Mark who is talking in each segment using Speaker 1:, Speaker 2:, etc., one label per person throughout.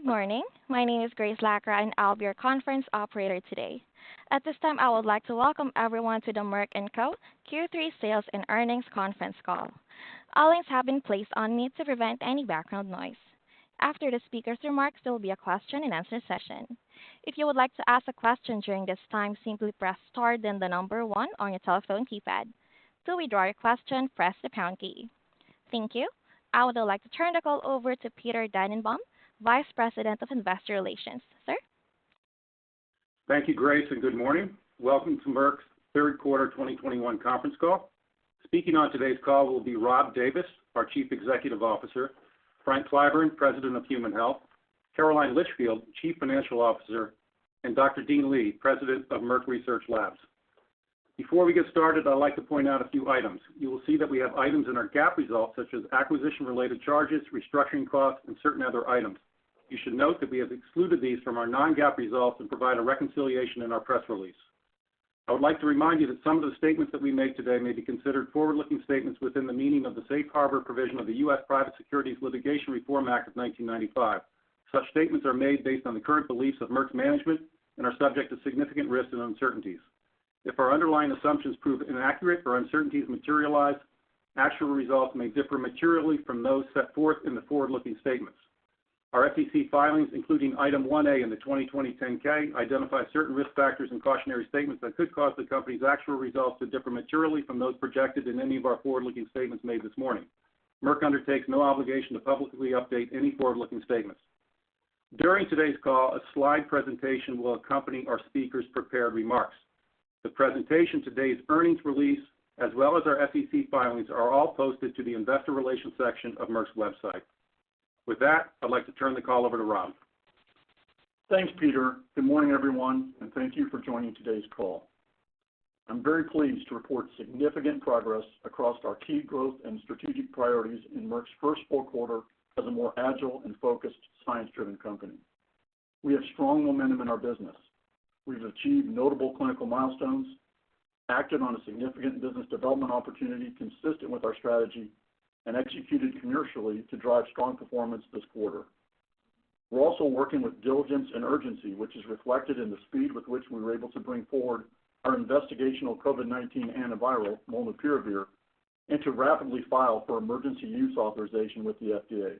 Speaker 1: Good morning. My name is Grace Lacra, and I'll be your conference operator today. At this time, I would like to Welcome Everyone to the Merck & Co. Q3 Sales and Earnings Conference Call. All lines have been placed on mute to prevent any background noise. After the speakers' remarks, there will be a question and answer session. If you would like to ask a question during this time, simply press star, then the number one on your telephone keypad. To withdraw your question, press the pound key. Thank you. I would like to turn the call over to Peter Dannenbaum, Vice President of Investor Relations. Sir?
Speaker 2: Thank you, Grace, and good morning. Welcome to Merck's Third Quarter 2021 Conference Call. Speaking on today's call will be Rob Davis, our Chief Executive Officer, Frank Clyburn, President of Human Health, Caroline Litchfield, Chief Financial Officer, and Dr. Dean Li, President of Merck Research Labs. Before we get started, I'd like to point out a few items. You will see that we have items in our GAAP results, such as acquisition-related charges, restructuring costs, and certain other items. You should note that we have excluded these from our non-GAAP results and provide a reconciliation in our press release. I would like to remind you that some of the statements that we make today may be considered forward-looking statements within the meaning of the Safe Harbor provision of the U.S. Private Securities Litigation Reform Act of 1995. Such statements are made based on the current beliefs of Merck's management and are subject to significant risks and uncertainties. If our underlying assumptions prove inaccurate or uncertainties materialize, actual results may differ materially from those set forth in the forward-looking statements. Our SEC filings, including Item 1A in the 2020 10-K, identify certain risk factors and cautionary statements that could cause the company's actual results to differ materially from those projected in any of our forward-looking statements made this morning. Merck undertakes no obligation to publicly update any forward-looking statements. During today's call, a slide presentation will accompany our speakers' prepared remarks. The presentation, today's earnings release, as well as our SEC filings, are all posted to the investor relations section of Merck's website. With that, I'd like to turn the call over to Rob.
Speaker 3: Thanks, Peter. Good morning, everyone, and thank you for joining today's call. I'm very pleased to report significant progress across our key growth and strategic priorities in Merck's first full quarter as a more agile and focused science-driven company. We have strong momentum in our business. We've achieved notable clinical milestones, acted on a significant business development opportunity consistent with our strategy, and executed commercially to drive strong performance this quarter. We're also working with diligence and urgency, which is reflected in the speed with which we were able to bring forward our investigational COVID-19 antiviral, molnupiravir, and to rapidly file for emergency use authorization with the FDA.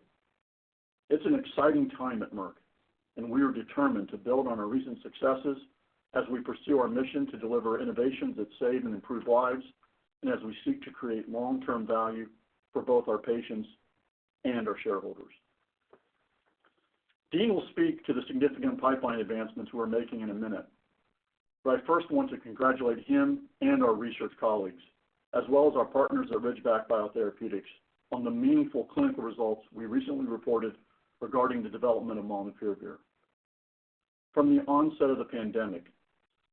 Speaker 3: It's an exciting time at Merck, and we are determined to build on our recent successes as we pursue our mission to deliver innovations that save and improve lives, and as we seek to create long-term value for both our patients and our shareholders. Dean will speak to the significant pipeline advancements we're making in a minute, but I first want to congratulate him and our research colleagues, as well as our partners at Ridgeback Biotherapeutics, on the meaningful clinical results we recently reported regarding the development of molnupiravir. From the onset of the pandemic,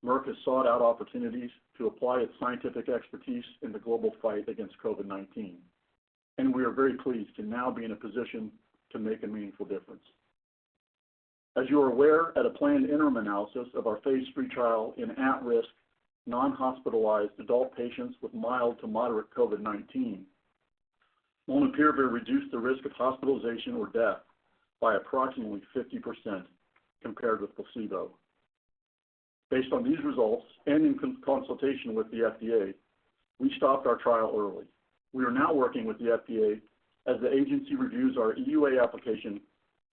Speaker 3: Merck has sought out opportunities to apply its scientific expertise in the global fight against COVID-19, and we are very pleased to now be in a position to make a meaningful difference. As you are aware, at a planned interim analysis of our phase III trial in at-risk, non-hospitalized adult patients with mild to moderate COVID-19, molnupiravir reduced the risk of hospitalization or death by approximately 50% compared with placebo. Based on these results and in consultation with the FDA, we stopped our trial early. We are now working with the FDA as the agency reviews our EUA application,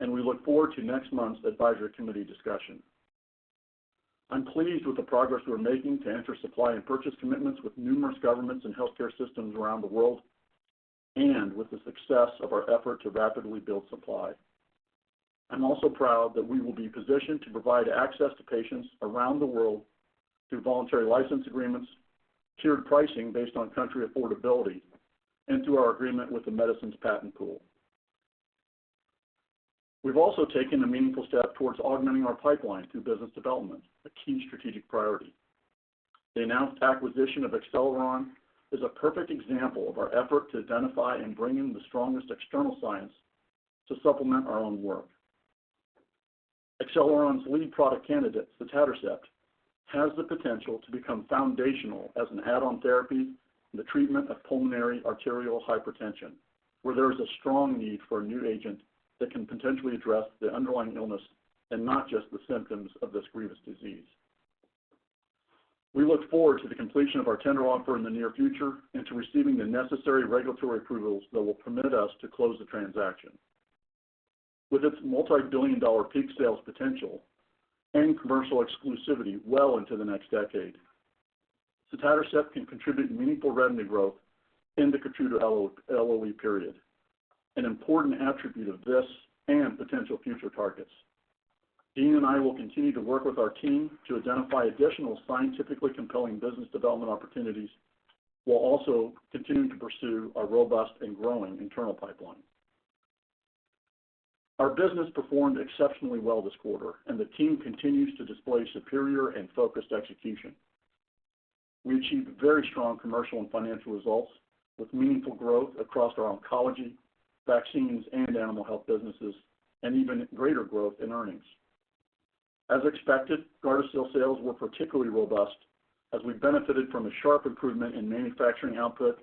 Speaker 3: and we look forward to next month's advisory committee discussion. I'm pleased with the progress we're making to enter supply and purchase commitments with numerous governments and healthcare systems around the world, and with the success of our effort to rapidly build supply. I'm also proud that we will be positioned to provide access to patients around the world through voluntary license agreements, tiered pricing based on country affordability, and through our agreement with the Medicines Patent Pool. We've also taken a meaningful step towards augmenting our pipeline through business development, a key strategic priority. The announced acquisition of Acceleron is a perfect example of our effort to identify and bring in the strongest external science to supplement our own work. Acceleron's lead product candidate, sotatercept, has the potential to become foundational as an add-on therapy in the treatment of pulmonary arterial hypertension, where there is a strong need for a new agent that can potentially address the underlying illness and not just the symptoms of this grievous disease. We look forward to the completion of our tender offer in the near future and to receiving the necessary regulatory approvals that will permit us to close the transaction. With its multi-billion dollar peak sales potential and commercial exclusivity well into the next decade, sotatercept can contribute meaningful revenue growth in the Keytruda LOE period, an important attribute of this and potential future targets. Dean and I will continue to work with our team to identify additional scientifically compelling business development opportunities. We'll also continue to pursue our robust and growing internal pipeline. Our business performed exceptionally well this quarter, and the team continues to display superior and focused execution. We achieved very strong commercial and financial results with meaningful growth across our Oncology, Vaccines, and Animal Health businesses, and even greater growth in earnings. As expected, Gardasil sales were particularly robust as we benefited from a sharp improvement in manufacturing output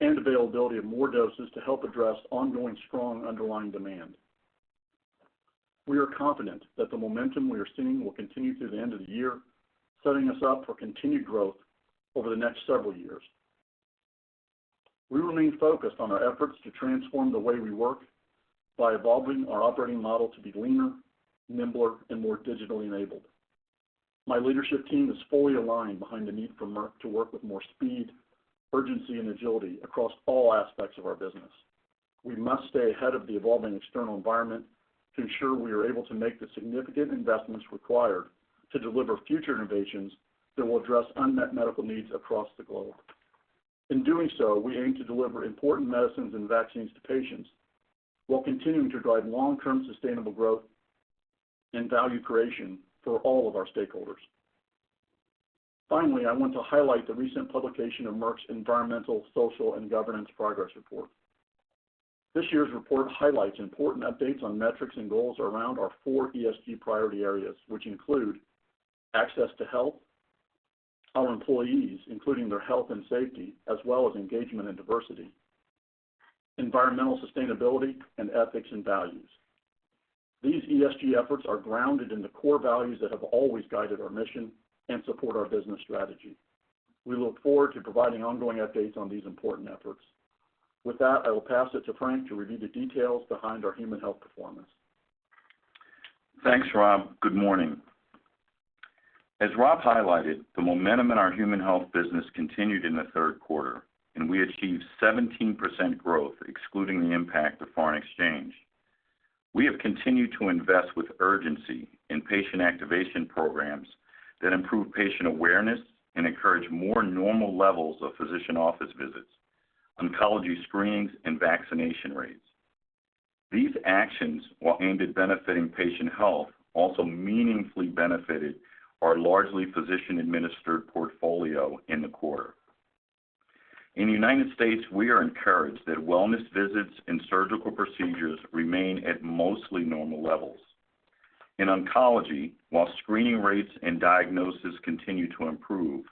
Speaker 3: and availability of more doses to help address ongoing strong underlying demand. We are confident that the momentum we are seeing will continue through the end of the year, setting us up for continued growth over the next several years. We remain focused on our efforts to transform the way we work by evolving our operating model to be leaner, nimbler, and more digitally enabled. My leadership team is fully aligned behind the need for Merck to work with more speed, urgency, and agility across all aspects of our business. We must stay ahead of the evolving external environment to ensure we are able to make the significant investments required to deliver future innovations that will address unmet medical needs across the globe. In doing so, we aim to deliver important medicines and vaccines to patients while continuing to drive long-term sustainable growth and value creation for all of our stakeholders. Finally, I want to highlight the recent publication of Merck's Environmental, Social, and Governance Progress Report. This year's report highlights important updates on metrics and goals around our four ESG priority areas, which include access to health, our employees, including their health and safety, as well as engagement and diversity, environmental sustainability, and ethics and values. These ESG efforts are grounded in the core values that have always guided our mission and support our business strategy. We look forward to providing ongoing updates on these important efforts. With that, I will pass it to Frank to review the details behind our Human Health performance.
Speaker 4: Thanks, Rob. Good morning. As Rob highlighted, the momentum in our Human Health business continued in the third quarter, and we achieved 17% growth, excluding the impact of foreign exchange. We have continued to invest with urgency in patient activation programs that improve patient awareness and encourage more normal levels of physician office visits, oncology screenings, and vaccination rates. These actions, while aimed at benefiting patient health, also meaningfully benefited our largely physician-administered portfolio in the quarter. In the United States, we are encouraged that wellness visits and surgical procedures remain at mostly normal levels. In oncology, while screening rates and diagnosis continue to improve,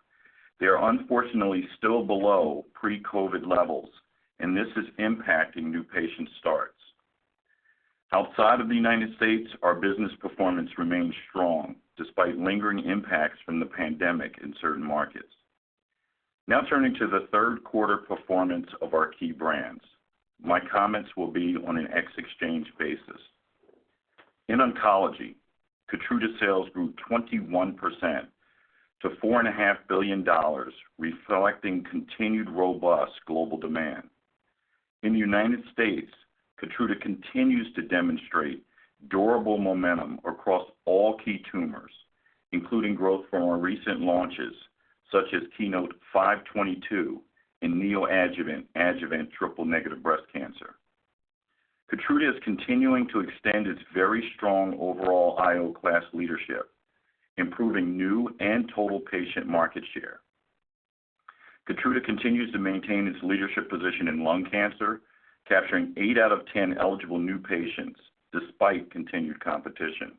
Speaker 4: they are unfortunately still below pre-COVID levels, and this is impacting new patient starts. Outside of the United States, our business performance remains strong despite lingering impacts from the pandemic in certain markets. Now turning to the third quarter performance of our key brands. My comments will be on an ex exchange basis. In oncology, Keytruda sales grew 21% to $4.5 billion, reflecting continued robust global demand. In the United States, Keytruda continues to demonstrate durable momentum across all key tumors, including growth from our recent launches, such as KEYNOTE-522 in neoadjuvant, adjuvant triple-negative breast cancer. Keytruda is continuing to extend its very strong overall IO class leadership, improving new and total patient market share. Keytruda continues to maintain its leadership position in lung cancer, capturing eight out of 10 eligible new patients despite continued competition.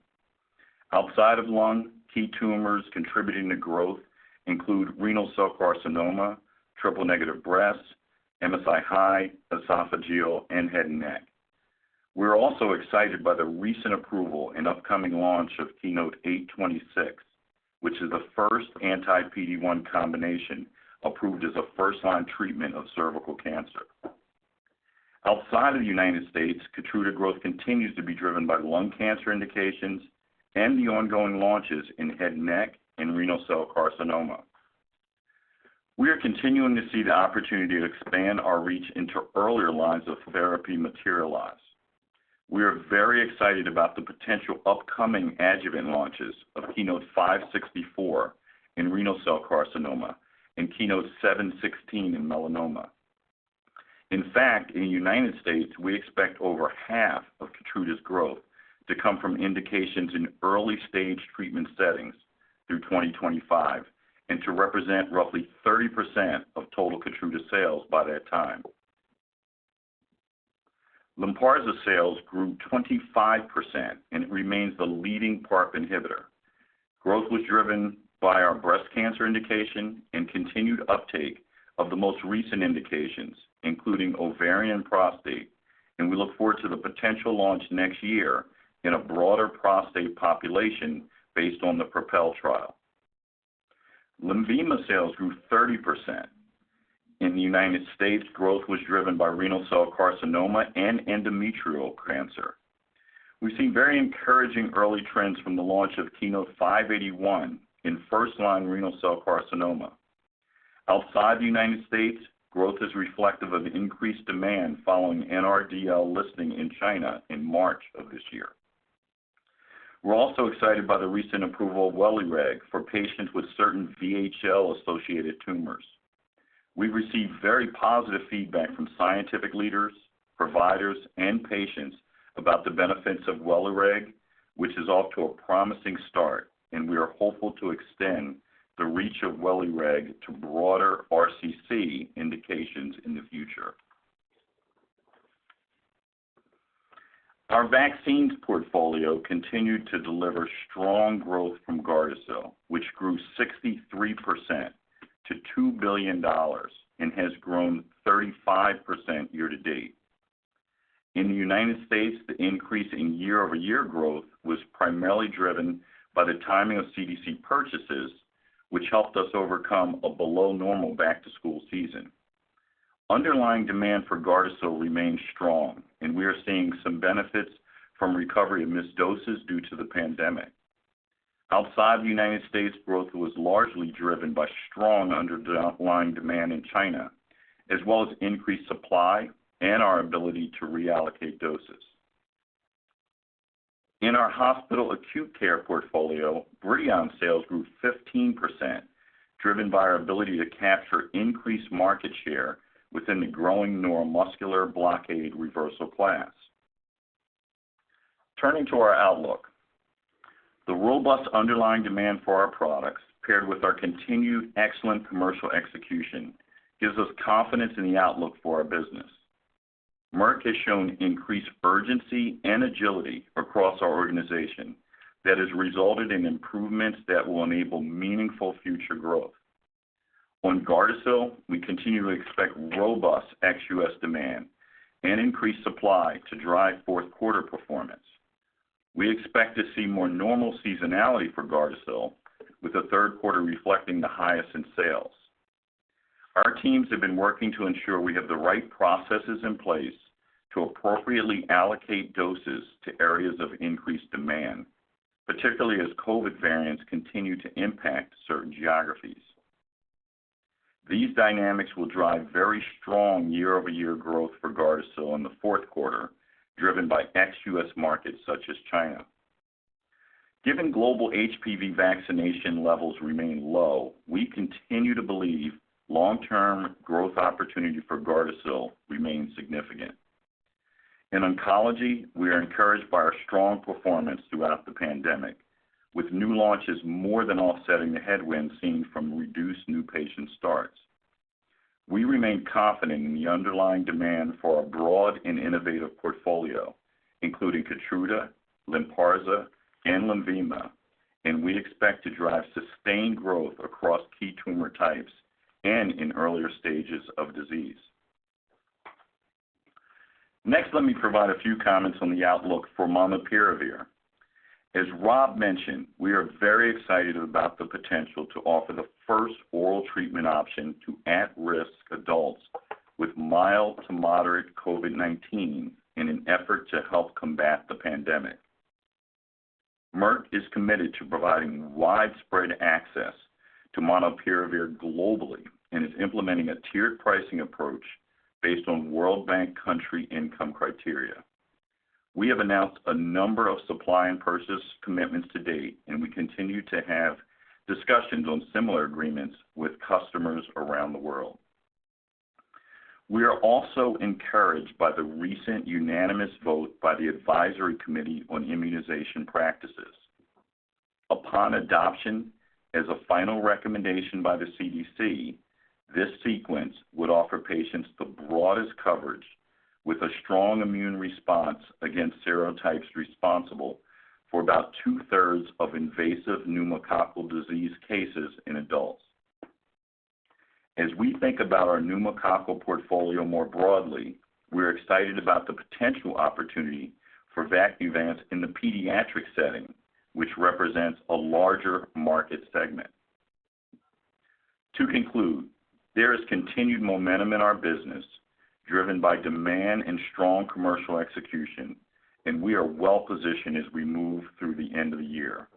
Speaker 4: Outside of lung, key tumors contributing to growth include renal cell carcinoma, triple-negative breast, MSI-high, esophageal, and head and neck. We're also excited by the recent approval and upcoming launch of KEYNOTE-826, which is the first anti-PD-1 combination approved as a first-line treatment of cervical cancer. Outside of the United States, Keytruda growth continues to be driven by lung cancer indications and the ongoing launches in head and neck and renal cell carcinoma. We are continuing to see the opportunity to expand our reach into earlier lines of therapy materialize. We are very excited about the potential upcoming adjuvant launches of KEYNOTE-564 in renal cell carcinoma and KEYNOTE-716 in melanoma. In fact, in the United States, we expect over half of Keytruda's growth to come from indications in early-stage treatment settings through 2025 and to represent roughly 30% of total Keytruda sales by that time. Lynparza sales grew 25%, and it remains the leading PARP inhibitor. Growth was driven by our breast cancer indication and continued uptake of the most recent indications, including ovarian, prostate, and we look forward to the potential launch next year in a broader prostate population based on the PROPEL trial. Lenvima sales grew 30%. In the United States, growth was driven by renal cell carcinoma and endometrial cancer. We've seen very encouraging early trends from the launch of KEYNOTE-581 in first-line renal cell carcinoma. Outside the United States, growth is reflective of increased demand following NRDL listing in China in March of this year. We're also excited by the recent approval of WELIREG for patients with certain VHL-associated tumors. We've received very positive feedback from scientific leaders, providers, and patients about the benefits of WELIREG, which is off to a promising start, and we are hopeful to extend the reach of WELIREG to broader RCC indications in the future. Our vaccines portfolio continued to deliver strong growth from GARDASIL, which grew 63% to $2 billion and has grown 35% year-to-date. In the United States, the increase in year-over-year growth was primarily driven by the timing of CDC purchases, which helped us overcome a below normal back-to-school season. Underlying demand for GARDASIL remains strong, and we are seeing some benefits from recovery of missed doses due to the pandemic. Outside the United States, growth was largely driven by strong underlying demand in China, as well as increased supply and our ability to reallocate doses. In our hospital acute care portfolio, BRIDION sales grew 15%, driven by our ability to capture increased market share within the growing neuromuscular blockade reversal class. Turning to our outlook. The robust underlying demand for our products, paired with our continued excellent commercial execution, gives us confidence in the outlook for our business. Merck has shown increased urgency and agility across our organization that has resulted in improvements that will enable meaningful future growth. On GARDASIL, we continue to expect robust ex-U.S. demand and increased supply to drive fourth quarter performance. We expect to see more normal seasonality for GARDASIL, with the third quarter reflecting the highest in sales. Our teams have been working to ensure we have the right processes in place to appropriately allocate doses to areas of increased demand, particularly as COVID variants continue to impact certain geographies. These dynamics will drive very strong year-over-year growth for GARDASIL in the fourth quarter, driven by ex-U.S. markets such as China. Given global HPV vaccination levels remain low, we continue to believe long-term growth opportunity for GARDASIL remains significant. In oncology, we are encouraged by our strong performance throughout the pandemic, with new launches more than offsetting the headwinds seen from reduced new patient starts. We remain confident in the underlying demand for our broad and innovative portfolio, including Keytruda, Lynparza, and Lenvima, and we expect to drive sustained growth across key tumor types and in earlier stages of disease. Next, let me provide a few comments on the outlook for molnupiravir. As Rob mentioned, we are very excited about the potential to offer the first oral treatment option to at-risk adults with mild to moderate COVID-19 in an effort to help combat the pandemic. Merck is committed to providing widespread access to molnupiravir globally and is implementing a tiered pricing approach based on World Bank country income criteria. We have announced a number of supply and purchase commitments to date, and we continue to have discussions on similar agreements with customers around the world. We are also encouraged by the recent unanimous vote by the Advisory Committee on Immunization Practices. Upon adoption as a final recommendation by the CDC, this sequence would offer patients the broadest coverage with a strong immune response against serotypes responsible for about two-thirds of invasive pneumococcal disease cases in adults. As we think about our pneumococcal portfolio more broadly, we're excited about the potential opportunity for VAXNEUVANCE in the pediatric setting, which represents a larger market segment. To conclude, there is continued momentum in our business, driven by demand and strong commercial execution, and we are well positioned as we move through the end of the year.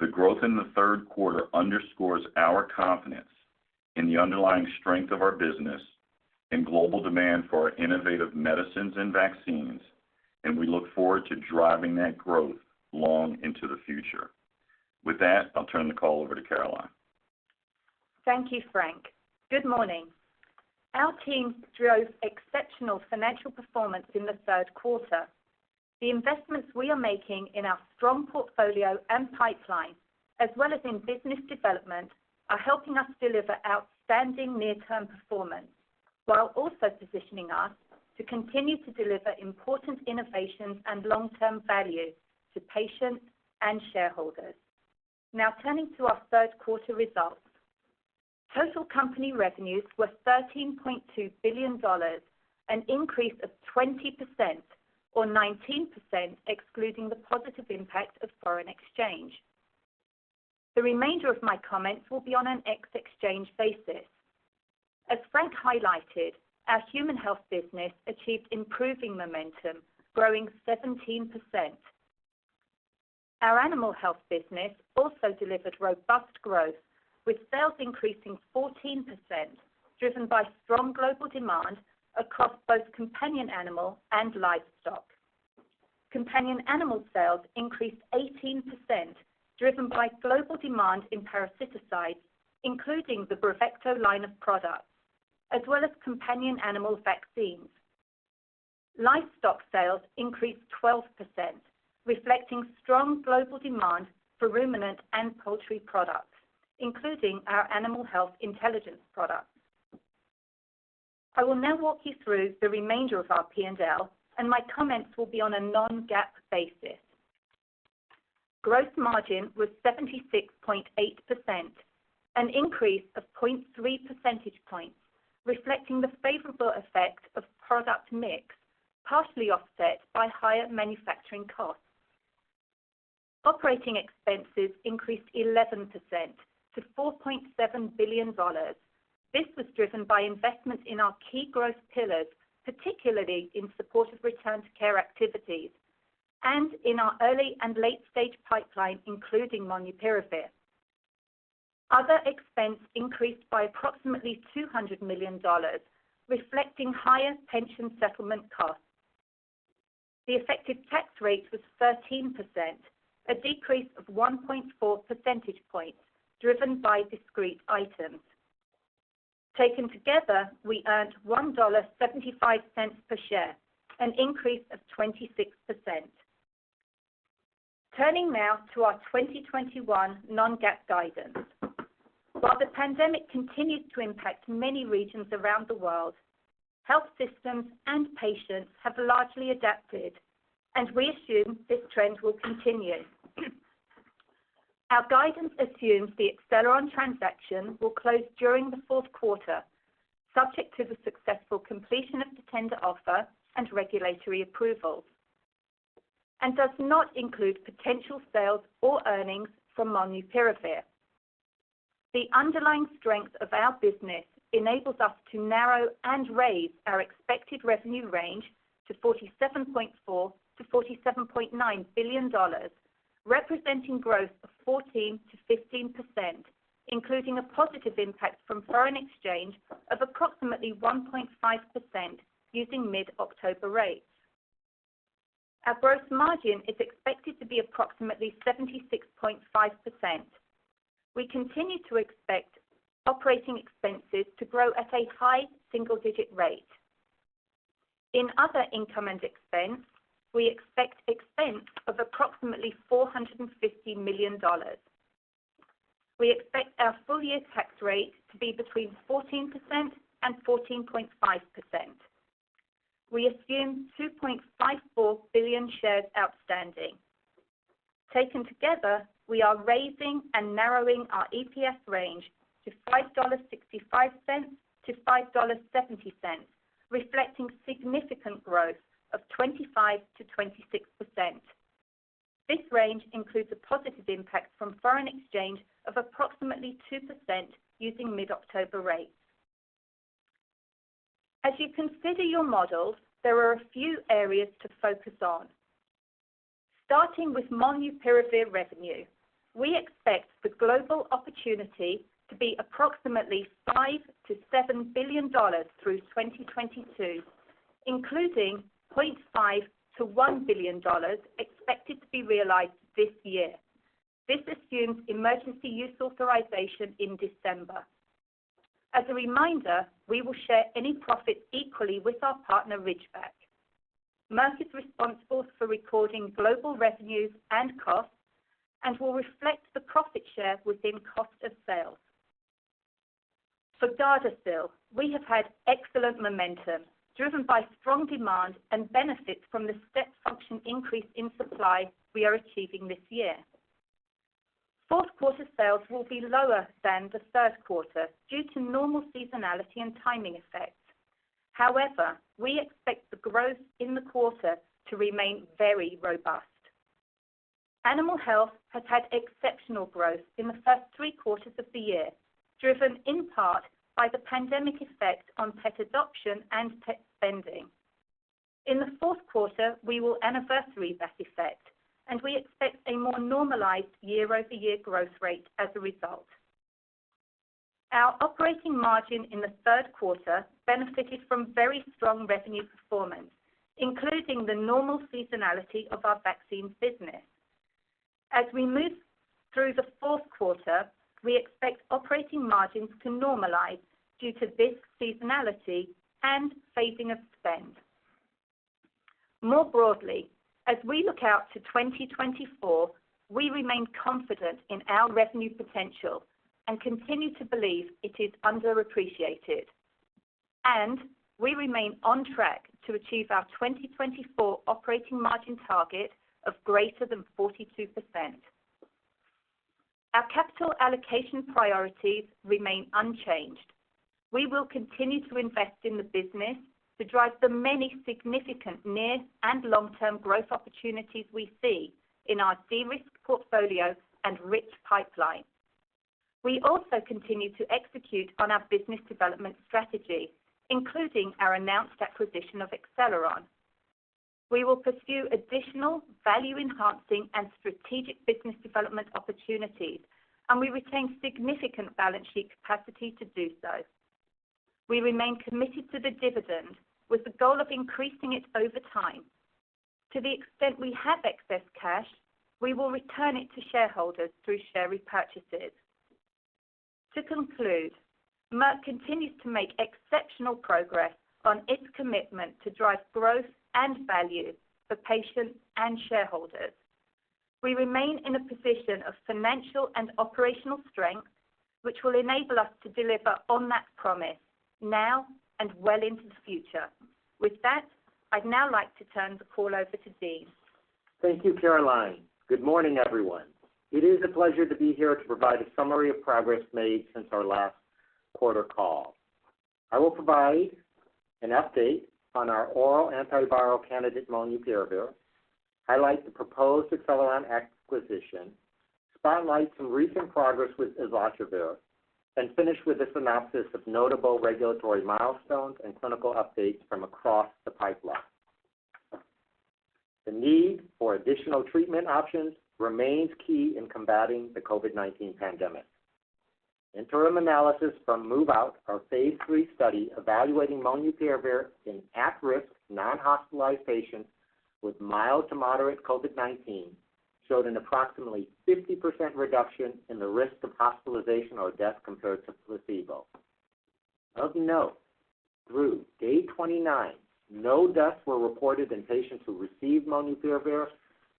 Speaker 4: The growth in the third quarter underscores our confidence in the underlying strength of our business and global demand for our innovative medicines and vaccines, and we look forward to driving that growth long into the future. With that, I'll turn the call over to Caroline.
Speaker 5: Thank you, Frank. Good morning. Our team drove exceptional financial performance in the third quarter. The investments we are making in our strong portfolio and pipeline, as well as in business development, are helping us deliver outstanding near-term performance while also positioning us to continue to deliver important innovations and long-term value to patients and shareholders. Now turning to our third quarter results. Total company revenues were $13.2 billion, an increase of 20% or 19% excluding the positive impact of foreign exchange. The remainder of my comments will be on an ex-exchange basis. As Frank highlighted, our Human Health business achieved improving momentum, growing 17%. Our Animal Health business also delivered robust growth, with sales increasing 14%, driven by strong global demand across both companion animal and livestock. Companion animal sales increased 18%, driven by global demand in parasiticides, including the BRAVECTO line of products, as well as companion animal vaccines. Livestock sales increased 12%, reflecting strong global demand for ruminant and poultry products, including our Animal Health Intelligence product. I will now walk you through the remainder of our P&L, and my comments will be on a non-GAAP basis. Gross margin was 76.8%, an increase of 0.3 percentage points, reflecting the favorable effect of product mix, partially offset by higher manufacturing costs. Operating expenses increased 11% to $4.7 billion. This was driven by investment in our key growth pillars, particularly in support of Return to Care activities and in our early and late-stage pipeline, including molnupiravir. Other expense increased by approximately $200 million, reflecting higher pension settlement costs. The effective tax rate was 13%, a decrease of 1.4 percentage points driven by discrete items. Taken together, we earned $1.75 per share, an increase of 26%. Turning now to our 2021 non-GAAP guidance. While the pandemic continues to impact many regions around the world, health systems and patients have largely adapted, and we assume this trend will continue. Our guidance assumes the Acceleron transaction will close during the fourth quarter, subject to the successful completion of the tender offer and regulatory approvals, and does not include potential sales or earnings from molnupiravir. The underlying strength of our business enables us to narrow and raise our expected revenue range to $47.4 billion-$47.9 billion, representing growth of 14%-15%, including a positive impact from foreign exchange of approximately 1.5% using mid-October rates. Our gross margin is expected to be approximately 76.5%. We continue to expect operating expenses to grow at a high single-digit rate. In other income and expense, we expect expense of approximately $450 million. We expect our full year tax rate to be between 14% and 14.5%. We assume 2.54 billion shares outstanding. Taken together, we are raising and narrowing our EPS range to $5.65-$5.70, reflecting significant growth of 25%-26%. This range includes a positive impact from foreign exchange of approximately 2% using mid-October rates. As you consider your models, there are a few areas to focus on. Starting with molnupiravir revenue, we expect the global opportunity to be approximately $5 billion-$7 billion through 2022, including $0.5 billion-$1 billion expected to be realized this year. This assumes emergency use authorization in December. As a reminder, we will share any profits equally with our partner, Ridgeback. Merck is responsible for recording global revenues and costs and will reflect the profit share within cost of sales. For Gardasil, we have had excellent momentum driven by strong demand and benefits from the step function increase in supply we are achieving this year. Fourth quarter sales will be lower than the third quarter due to normal seasonality and timing effects. However, we expect the growth in the quarter to remain very robust. Animal Health has had exceptional growth in the first three quarters of the year, driven in part by the pandemic effect on pet adoption and pet spending. In the fourth quarter, we will anniversary that effect, and we expect a more normalized year-over-year growth rate as a result. Our operating margin in the third quarter benefited from very strong revenue performance, including the normal seasonality of our vaccines business. As we move through the fourth quarter, we expect operating margins to normalize due to this seasonality and phasing of spend. More broadly, as we look out to 2024, we remain confident in our revenue potential and continue to believe it is underappreciated, and we remain on track to achieve our 2024 operating margin target of greater than 42%. Our capital allocation priorities remain unchanged. We will continue to invest in the business to drive the many significant near and long-term growth opportunities we see in our de-risked portfolio and rich pipeline. We also continue to execute on our business development strategy, including our announced acquisition of Acceleron. We will pursue additional value-enhancing and strategic business development opportunities, and we retain significant balance sheet capacity to do so. We remain committed to the dividend, with the goal of increasing it over time. To the extent we have excess cash, we will return it to shareholders through share repurchases. To conclude, Merck continues to make exceptional progress on its commitment to drive growth and value for patients and shareholders. We remain in a position of financial and operational strength, which will enable us to deliver on that promise now and well into the future. With that, I'd now like to turn the call over to Dean.
Speaker 6: Thank you, Caroline. Good morning, everyone. It is a pleasure to be here to provide a summary of progress made since our last quarter call. I will provide an update on our oral antiviral candidate, molnupiravir, highlight the proposed Acceleron acquisition, spotlight some recent progress with islatravir, and finish with a synopsis of notable regulatory milestones and clinical updates from across the pipeline. The need for additional treatment options remains key in combating the COVID-19 pandemic. Interim analysis from MOVe-OUT, our phase III study evaluating molnupiravir in at-risk, non-hospitalized patients with mild to moderate COVID-19, showed an approximately 50% reduction in the risk of hospitalization or death compared to placebo. Of note, through day 29, no deaths were reported in patients who received molnupiravir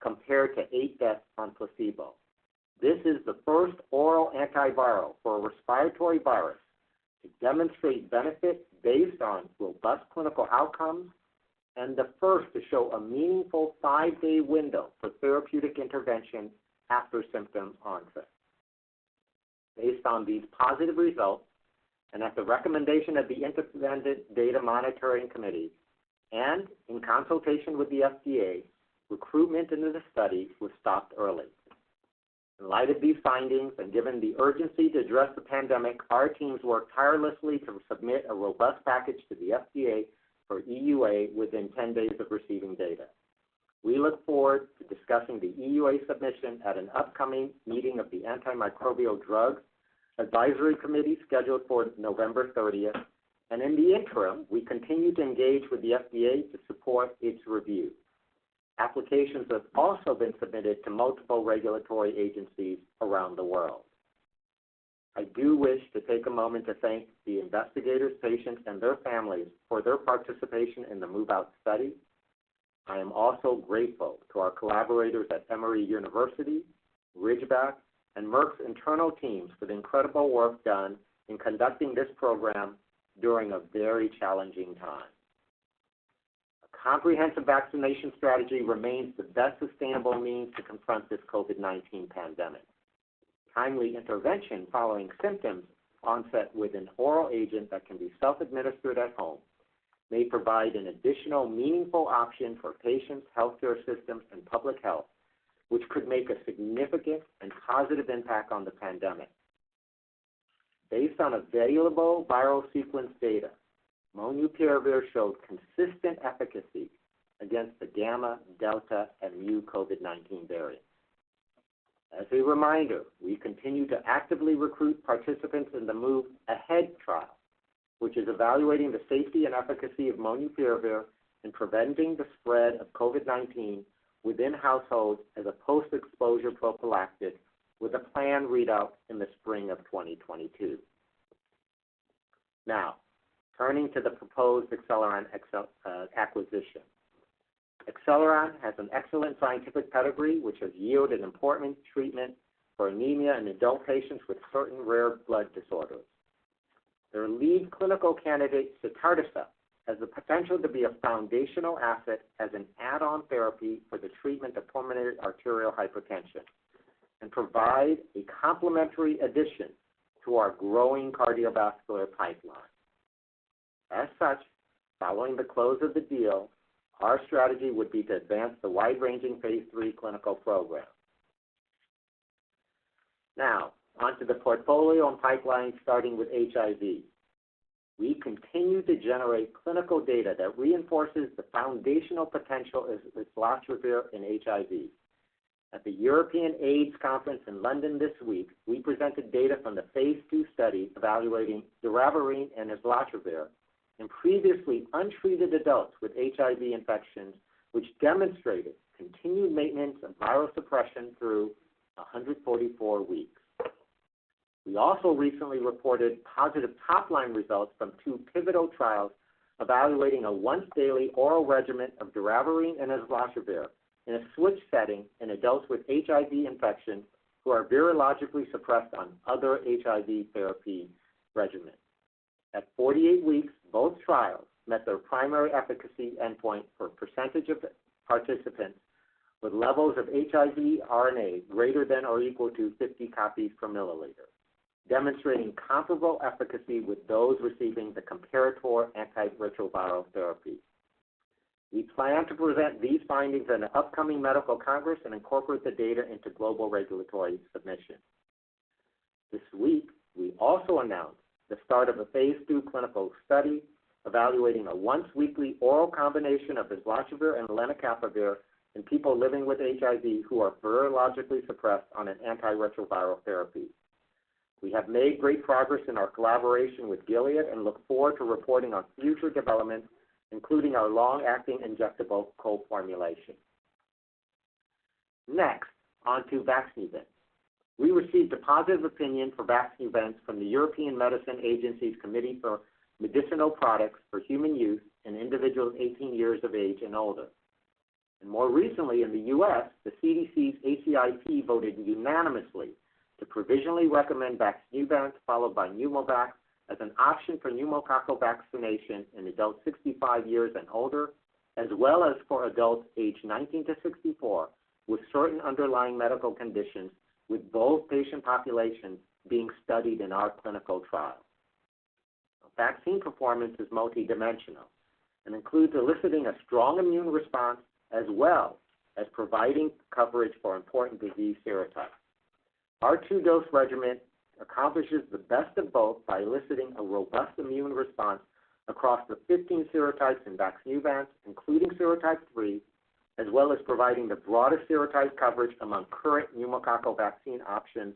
Speaker 6: compared to eight deaths on placebo. This is the first oral antiviral for a respiratory virus to demonstrate benefit based on robust clinical outcomes and the first to show a meaningful five-day window for therapeutic intervention after symptom onset. Based on these positive results, and at the recommendation of the Independent Data Monitoring Committee and in consultation with the FDA, recruitment into the study was stopped early. In light of these findings and given the urgency to address the pandemic, our teams worked tirelessly to submit a robust package to the FDA for EUA within 10 days of receiving data. We look forward to discussing the EUA submission at an upcoming meeting of the Antimicrobial Drugs Advisory Committee, scheduled for November 30, and in the interim, we continue to engage with the FDA to support its review. Applications have also been submitted to multiple regulatory agencies around the world. I do wish to take a moment to thank the investigators, patients, and their families for their participation in the MOVe-OUT study. I am also grateful to our collaborators at Emory University, Ridgeback, and Merck's internal teams for the incredible work done in conducting this program during a very challenging time. A comprehensive vaccination strategy remains the best sustainable means to confront this COVID-19 pandemic. Timely intervention following symptoms onset with an oral agent that can be self-administered at home may provide an additional meaningful option for patients, healthcare systems, and public health, which could make a significant and positive impact on the pandemic. Based on available viral sequence data, molnupiravir showed consistent efficacy against the Gamma, Delta, and Mu COVID-19 variants. As a reminder, we continue to actively recruit participants in the MOVe-AHEAD trial, which is evaluating the safety and efficacy of molnupiravir in preventing the spread of COVID-19 within households as a post-exposure prophylactic with a planned readout in the spring of 2022. Now, turning to the proposed Acceleron acquisition. Acceleron has an excellent scientific pedigree, which has yielded important treatment for anemia in adult patients with certain rare blood disorders. Their lead clinical candidate, sotatercept, has the potential to be a foundational asset as an add-on therapy for the treatment of pulmonary arterial hypertension and provide a complementary addition to our growing cardiovascular pipeline. As such, following the close of the deal, our strategy would be to advance the wide-ranging phase III clinical program. Now, on to the portfolio and pipeline, starting with HIV. We continue to generate clinical data that reinforces the foundational potential of islatravir in HIV. At the European AIDS Conference in London this week, we presented data from the phase II study evaluating doravirine and islatravir in previously untreated adults with HIV infection, which demonstrated continued maintenance of viral suppression through 144 weeks. We also recently reported positive top-line results from 2 pivotal trials evaluating a once-daily oral regimen of doravirine and islatravir in a switch setting in adults with HIV infection who are virologically suppressed on other HIV therapy regimens. At 48 weeks, both trials met their primary efficacy endpoint for percentage of participants with levels of HIV RNA greater than or equal to 50 copies per milliliter, demonstrating comparable efficacy with those receiving the comparator antiretroviral therapy. We plan to present these findings at an upcoming medical congress and incorporate the data into global regulatory submissions. This week, we also announced the start of a phase II clinical study evaluating a once-weekly oral combination of islatravir and lenacapavir in people living with HIV who are virologically suppressed on an antiretroviral therapy. We have made great progress in our collaboration with Gilead and look forward to reporting on future developments, including our long-acting injectable co-formulation. Next, on to vaccines. We received a positive opinion for Vaxneuvance from the European Medicines Agency's Committee for Medicinal Products for Human Use in individuals 18 years of age and older. More recently in the U.S., the CDC's ACIP voted unanimously to provisionally recommend Vaxneuvance followed by PNEUMOVAX as an option for pneumococcal vaccination in adults 65 years and older, as well as for adults aged 19 to 64 with certain underlying medical conditions, with both patient populations being studied in our clinical trial. Vaccine performance is multidimensional and includes eliciting a strong immune response as well as providing coverage for important disease serotypes. Our two-dose regimen accomplishes the best of both by eliciting a robust immune response across the 15 serotypes in Vaxneuvance, including serotype 3, as well as providing the broadest serotype coverage among current pneumococcal vaccine options,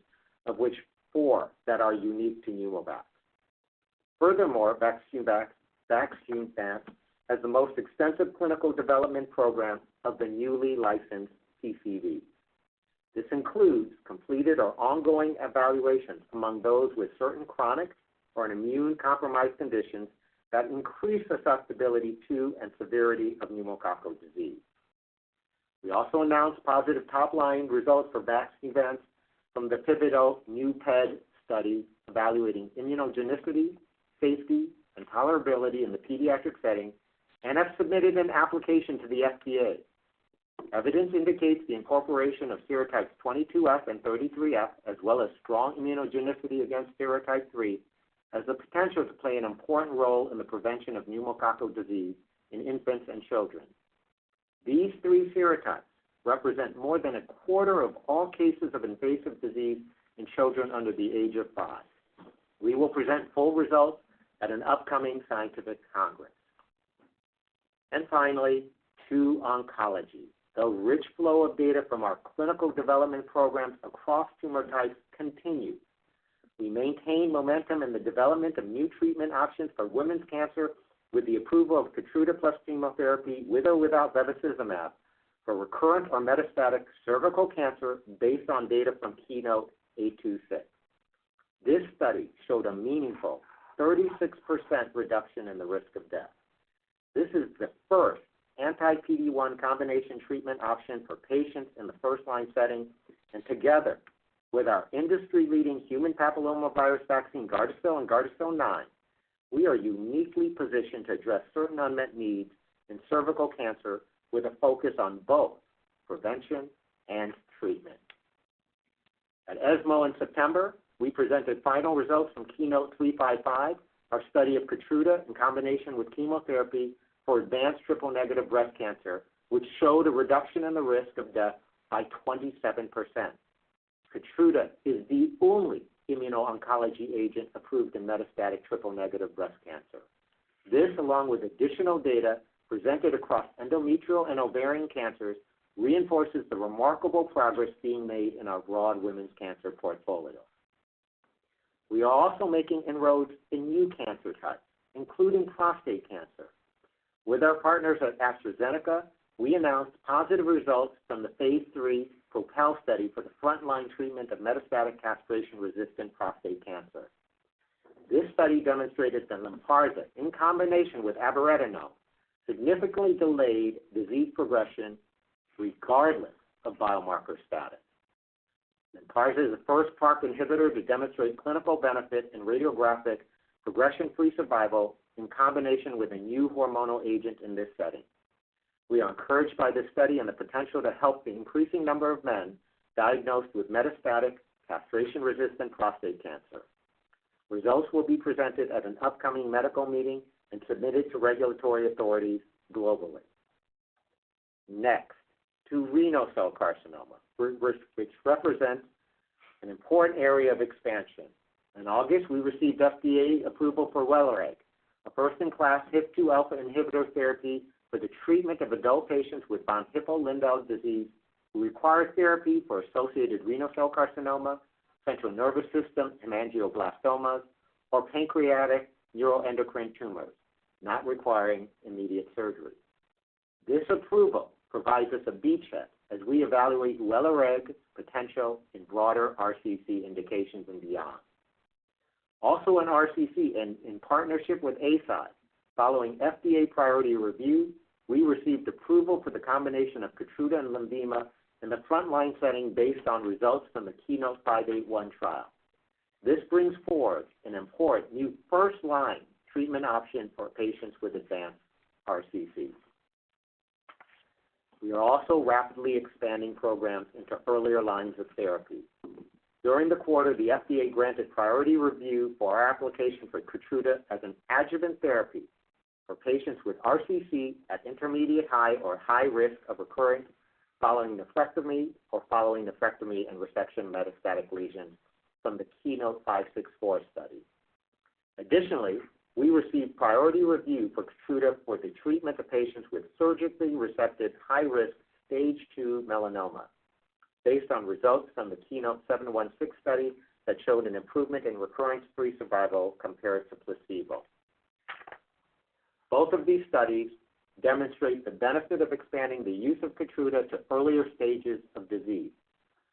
Speaker 6: of which 4 that are unique to PNEUMOVAX. Furthermore, Vaxneuvance has the most extensive clinical development program of the newly licensed PCV. This includes completed or ongoing evaluations among those with certain chronic or immunocompromised conditions that increase susceptibility to and severity of pneumococcal disease. We also announced positive top-line results for Vaxneuvance from the pivotal PNEU-PED study evaluating immunogenicity, safety, and tolerability in the pediatric setting and have submitted an application to the FDA. Evidence indicates the incorporation of serotypes 22F and 33F, as well as strong immunogenicity against serotype 3, has the potential to play an important role in the prevention of pneumococcal disease in infants and children. These three serotypes represent more than a quarter of all cases of invasive disease in children under the age of five. We will present full results at an upcoming scientific congress. Finally, to oncology. The rich flow of data from our clinical development programs across tumor types continues. We maintain momentum in the development of new treatment options for women's cancer with the approval of Keytruda plus chemotherapy with or without bevacizumab for recurrent or metastatic cervical cancer based on data from KEYNOTE-826. This study showed a meaningful 36% reduction in the risk of death. This is the first anti-PD-1 combination treatment option for patients in the first-line setting, and together with our industry-leading human papillomavirus vaccine, GARDASIL and GARDASIL 9, we are uniquely positioned to address certain unmet needs in cervical cancer with a focus on both prevention and treatment. At ESMO in September, we presented final results from KEYNOTE-355, our study of Keytruda in combination with chemotherapy for advanced triple-negative breast cancer, which showed a reduction in the risk of death by 27%. Keytruda is the only immuno-oncology agent approved in metastatic triple-negative breast cancer. This, along with additional data presented across endometrial and ovarian cancers, reinforces the remarkable progress being made in our broad women's cancer portfolio. We are also making inroads in new cancer types, including prostate cancer. With our partners at AstraZeneca, we announced positive results from the phase III PROPEL study for the frontline treatment of metastatic castration-resistant prostate cancer. This study demonstrated that Lynparza, in combination with abiraterone, significantly delayed disease progression regardless of biomarker status. Lynparza is the first PARP inhibitor to demonstrate clinical benefit in radiographic progression-free survival in combination with a new hormonal agent in this setting. We are encouraged by this study and the potential to help the increasing number of men diagnosed with metastatic castration-resistant prostate cancer. Results will be presented at an upcoming medical meeting and submitted to regulatory authorities globally. Next, to renal cell carcinoma, which represents an important area of expansion. In August, we received FDA approval for WELIREG, a first-in-class HIF-2α inhibitor therapy for the treatment of adult patients with von Hippel-Lindau disease who require therapy for associated renal cell carcinoma, central nervous system hemangioblastomas, or pancreatic neuroendocrine tumors not requiring immediate surgery. This approval provides us a beachhead as we evaluate WELIREG's potential in broader RCC indications and beyond. Also in RCC and in partnership with Eisai, following FDA priority review, we received approval for the combination of Keytruda and Lenvima in the frontline setting based on results from the KEYNOTE-581 trial. This brings forth an important new first-line treatment option for patients with advanced RCC. We are also rapidly expanding programs into earlier lines of therapy. During the quarter, the FDA granted priority review for our application for Keytruda as an adjuvant therapy for patients with RCC at intermediate-high or high risk of recurrence following nephrectomy or following nephrectomy and resection metastatic lesions from the KEYNOTE-564 study. Additionally, we received priority review for Keytruda for the treatment of patients with surgically resected high-risk stage two melanoma based on results from the KEYNOTE-716 study that showed an improvement in recurrence-free survival compared to placebo. Both of these studies demonstrate the benefit of expanding the use of Keytruda to earlier stages of disease,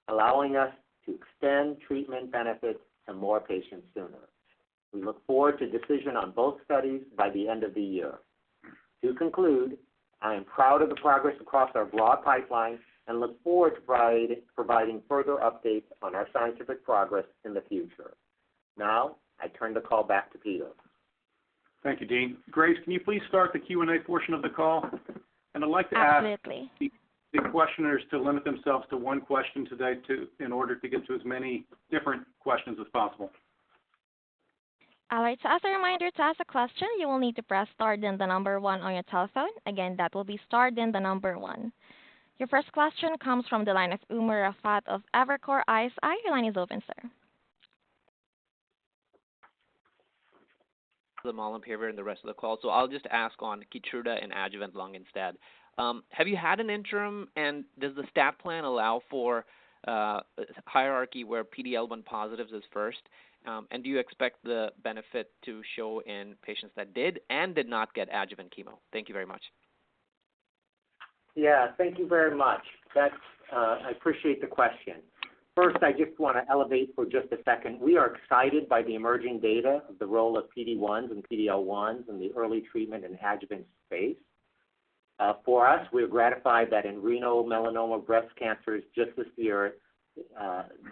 Speaker 6: allowing us to extend treatment benefits to more patients sooner. We look forward to decision on both studies by the end of the year. To conclude, I am proud of the progress across our broad pipeline and look forward to providing further updates on our scientific progress in the future. Now I turn the call back to Peter.
Speaker 2: Thank you, Dean. Grace, can you please start the Q&A portion of the call?
Speaker 1: Absolutely.
Speaker 2: I'd like to ask the questioners to limit themselves to one question today to, in order to get to as many different questions as possible.
Speaker 1: All right. As a reminder, to ask a question, you will need to press star then one on your telephone. Again, that will be star then one. Your first question comes from the line of Umer Raffat of Evercore ISI. Your line is open, sir.
Speaker 7: On molnupiravir and the rest of the call, so I'll just ask on Keytruda and adjuvant lung instead. Have you had an interim, and does the stat plan allow for a hierarchy where PD-L1 positives is first? Do you expect the benefit to show in patients that did and did not get adjuvant chemo? Thank you very much.
Speaker 6: Yeah, thank you very much. That's, I appreciate the question. First, I just wanna elaborate for just a second. We are excited by the emerging data of the role of PD-1s and PD-L1s in the early treatment in adjuvant space. For us, we're gratified that in renal, melanoma, breast cancers, just this year,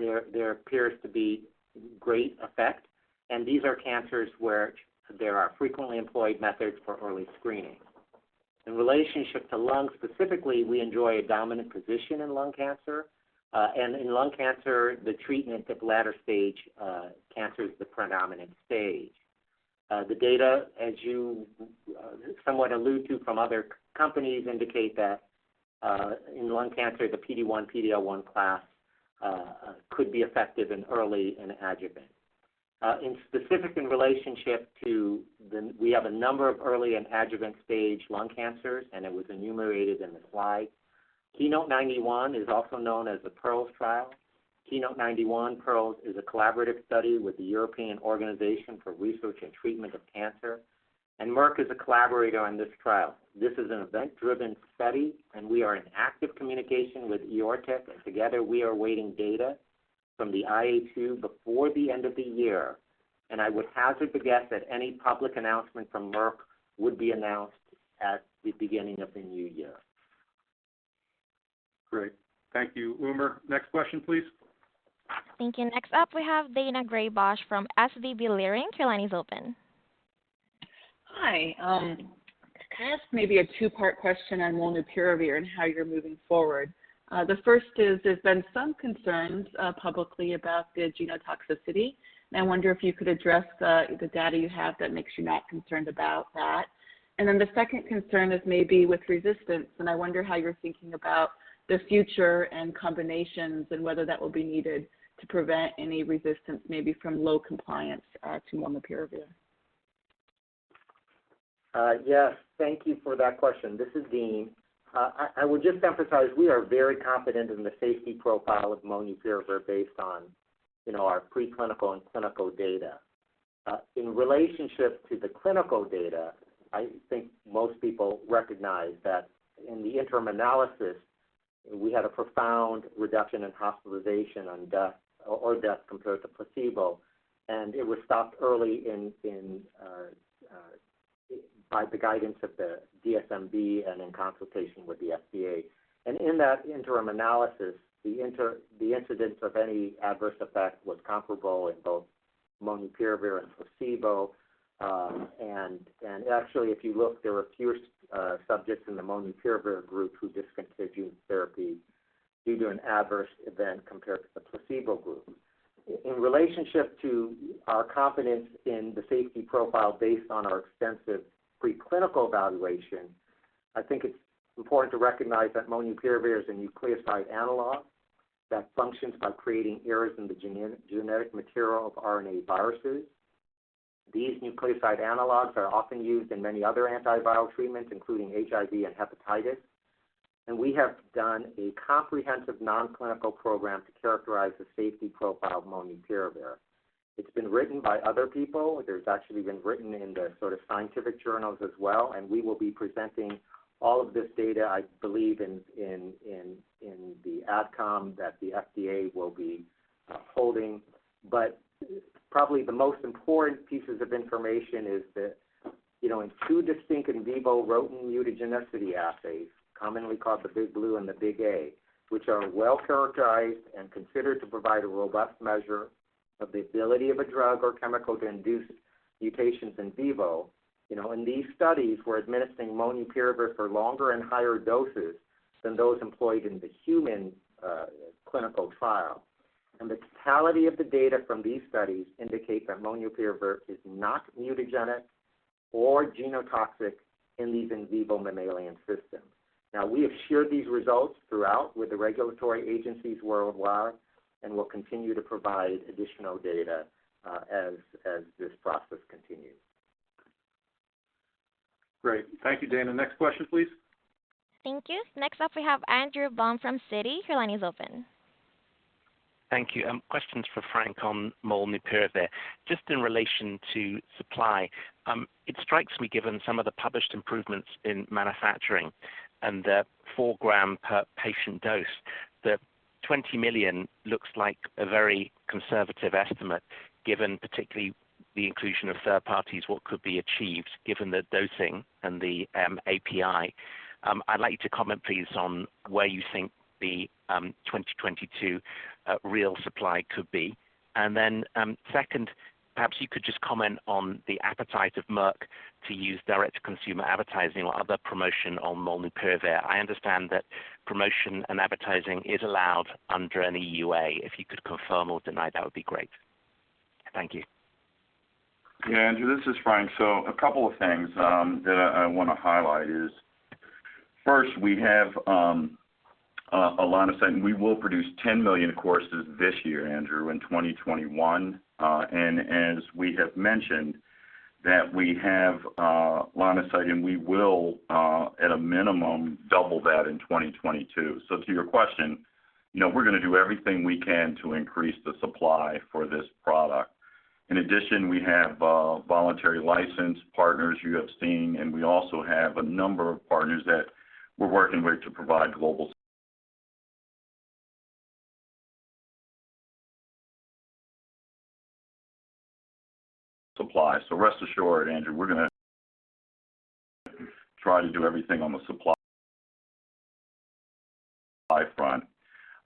Speaker 6: there appears to be great effect. And these are cancers where there are frequently employed methods for early screening. In relationship to lung specifically, we enjoy a dominant position in lung cancer, and in lung cancer, the treatment of later stage cancer is the predominant stage. The data, as you somewhat allude to from other companies, indicate that, in lung cancer, the PD-1/PD-L1 class could be effective in early and adjuvant. Specifically, in relationship to the... We have a number of early and adjuvant stage lung cancers, and it was enumerated in the slide. KEYNOTE-091 is also known as the PEARLS trial. KEYNOTE-091 PEARLS is a collaborative study with the European Organisation for Research and Treatment of Cancer, and Merck is a collaborator on this trial. This is an event-driven study, and we are in active communication with EORTC, and together we are awaiting data from the IA2 before the end of the year. I would hazard to guess that any public announcement from Merck would be announced at the beginning of the new year.
Speaker 2: Great. Thank you, Umer. Next question, please.
Speaker 1: Thank you. Next up, we have Daina Graybosch from SVB Leerink. Your line is open.
Speaker 8: Hi. Can I ask maybe a two-part question on molnupiravir and how you're moving forward? The first is, there's been some concerns publicly about the genotoxicity. I wonder if you could address the data you have that makes you not concerned about that. Then the second concern is maybe with resistance, and I wonder how you're thinking about the future and combinations and whether that will be needed to prevent any resistance, maybe from low compliance to molnupiravir.
Speaker 6: Yes. Thank you for that question. This is Dean Li. I would just emphasize we are very confident in the safety profile of molnupiravir based on, you know, our preclinical and clinical data. In relationship to the clinical data, I think most people recognize that in the interim analysis, we had a profound reduction in hospitalization and death compared to placebo, and it was stopped early by the guidance of the DSMB and in consultation with the FDA. In that interim analysis, the incidence of any adverse effect was comparable in both molnupiravir and placebo. Actually, if you look, there were fewer subjects in the molnupiravir group who discontinued therapy due to an adverse event compared to the placebo group. In relationship to our confidence in the safety profile based on our extensive preclinical evaluation, I think it's important to recognize that molnupiravir is a nucleoside analog that functions by creating errors in the genetic material of RNA viruses. These nucleoside analogs are often used in many other antiviral treatments, including HIV and hepatitis. We have done a comprehensive non-clinical program to characterize the safety profile of molnupiravir. It's been written by other people. It's actually been written in the sort of scientific journals as well, and we will be presenting all of this data, I believe in the adcom that the FDA will be holding. Probably the most important pieces of information is that, you know, in two distinct in vivo rodent mutagenicity assays, commonly called the Big Blue and the Pig-a, which are well-characterized and considered to provide a robust measure of the ability of a drug or chemical to induce mutations in vivo. You know, in these studies, we're administering molnupiravir for longer and higher doses than those employed in the human clinical trial. The totality of the data from these studies indicate that molnupiravir is not mutagenic or genotoxic in these in vivo mammalian systems. Now, we have shared these results throughout with the regulatory agencies worldwide and will continue to provide additional data as this process continues.
Speaker 2: Great. Thank you, Daina. Next question, please.
Speaker 1: Thank you. Next up, we have Andrew Baum from Citi. Your line is open.
Speaker 9: Thank you. Questions for Frank on molnupiravir. Just in relation to supply, it strikes me, given some of the published improvements in manufacturing and the 4-gram per patient dose, that 20 million looks like a very conservative estimate, given particularly the inclusion of third parties, what could be achieved given the dosing and the API. I'd like you to comment, please, on where you think the 2022 real supply could be. Second, perhaps you could just comment on the appetite of Merck to use direct-to-consumer advertising or other promotion on molnupiravir. I understand that promotion and advertising is allowed under an EUA. If you could confirm or deny, that would be great. Thank you.
Speaker 4: Yeah, Andrew, this is Frank. A couple of things that I wanna highlight is, first, we have a line of sight, and we will produce 10 million courses this year, Andrew, in 2021. As we have mentioned that we have line of sight, and we will, at a minimum, double that in 2022. To your question, you know, we're gonna do everything we can to increase the supply for this product. In addition, we have voluntary license partners you have seen, and we also have a number of partners that we're working with to provide global supply. Rest assured, Andrew, we're gonna try to do everything on the supply front.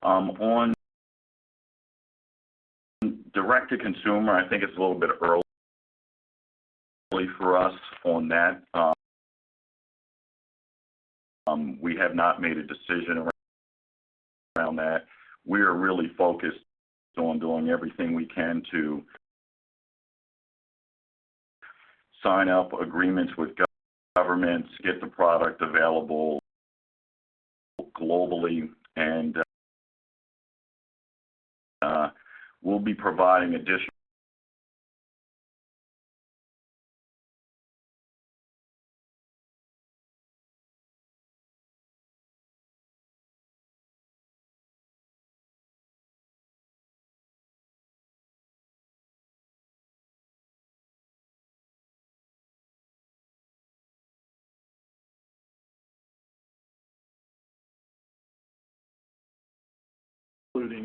Speaker 4: On direct to consumer, I think it's a little bit early for us on that. We have not made a decision around that. We are really focused on doing everything we can to sign up agreements with governments, get the product available globally, and we'll be providing additional
Speaker 3: Including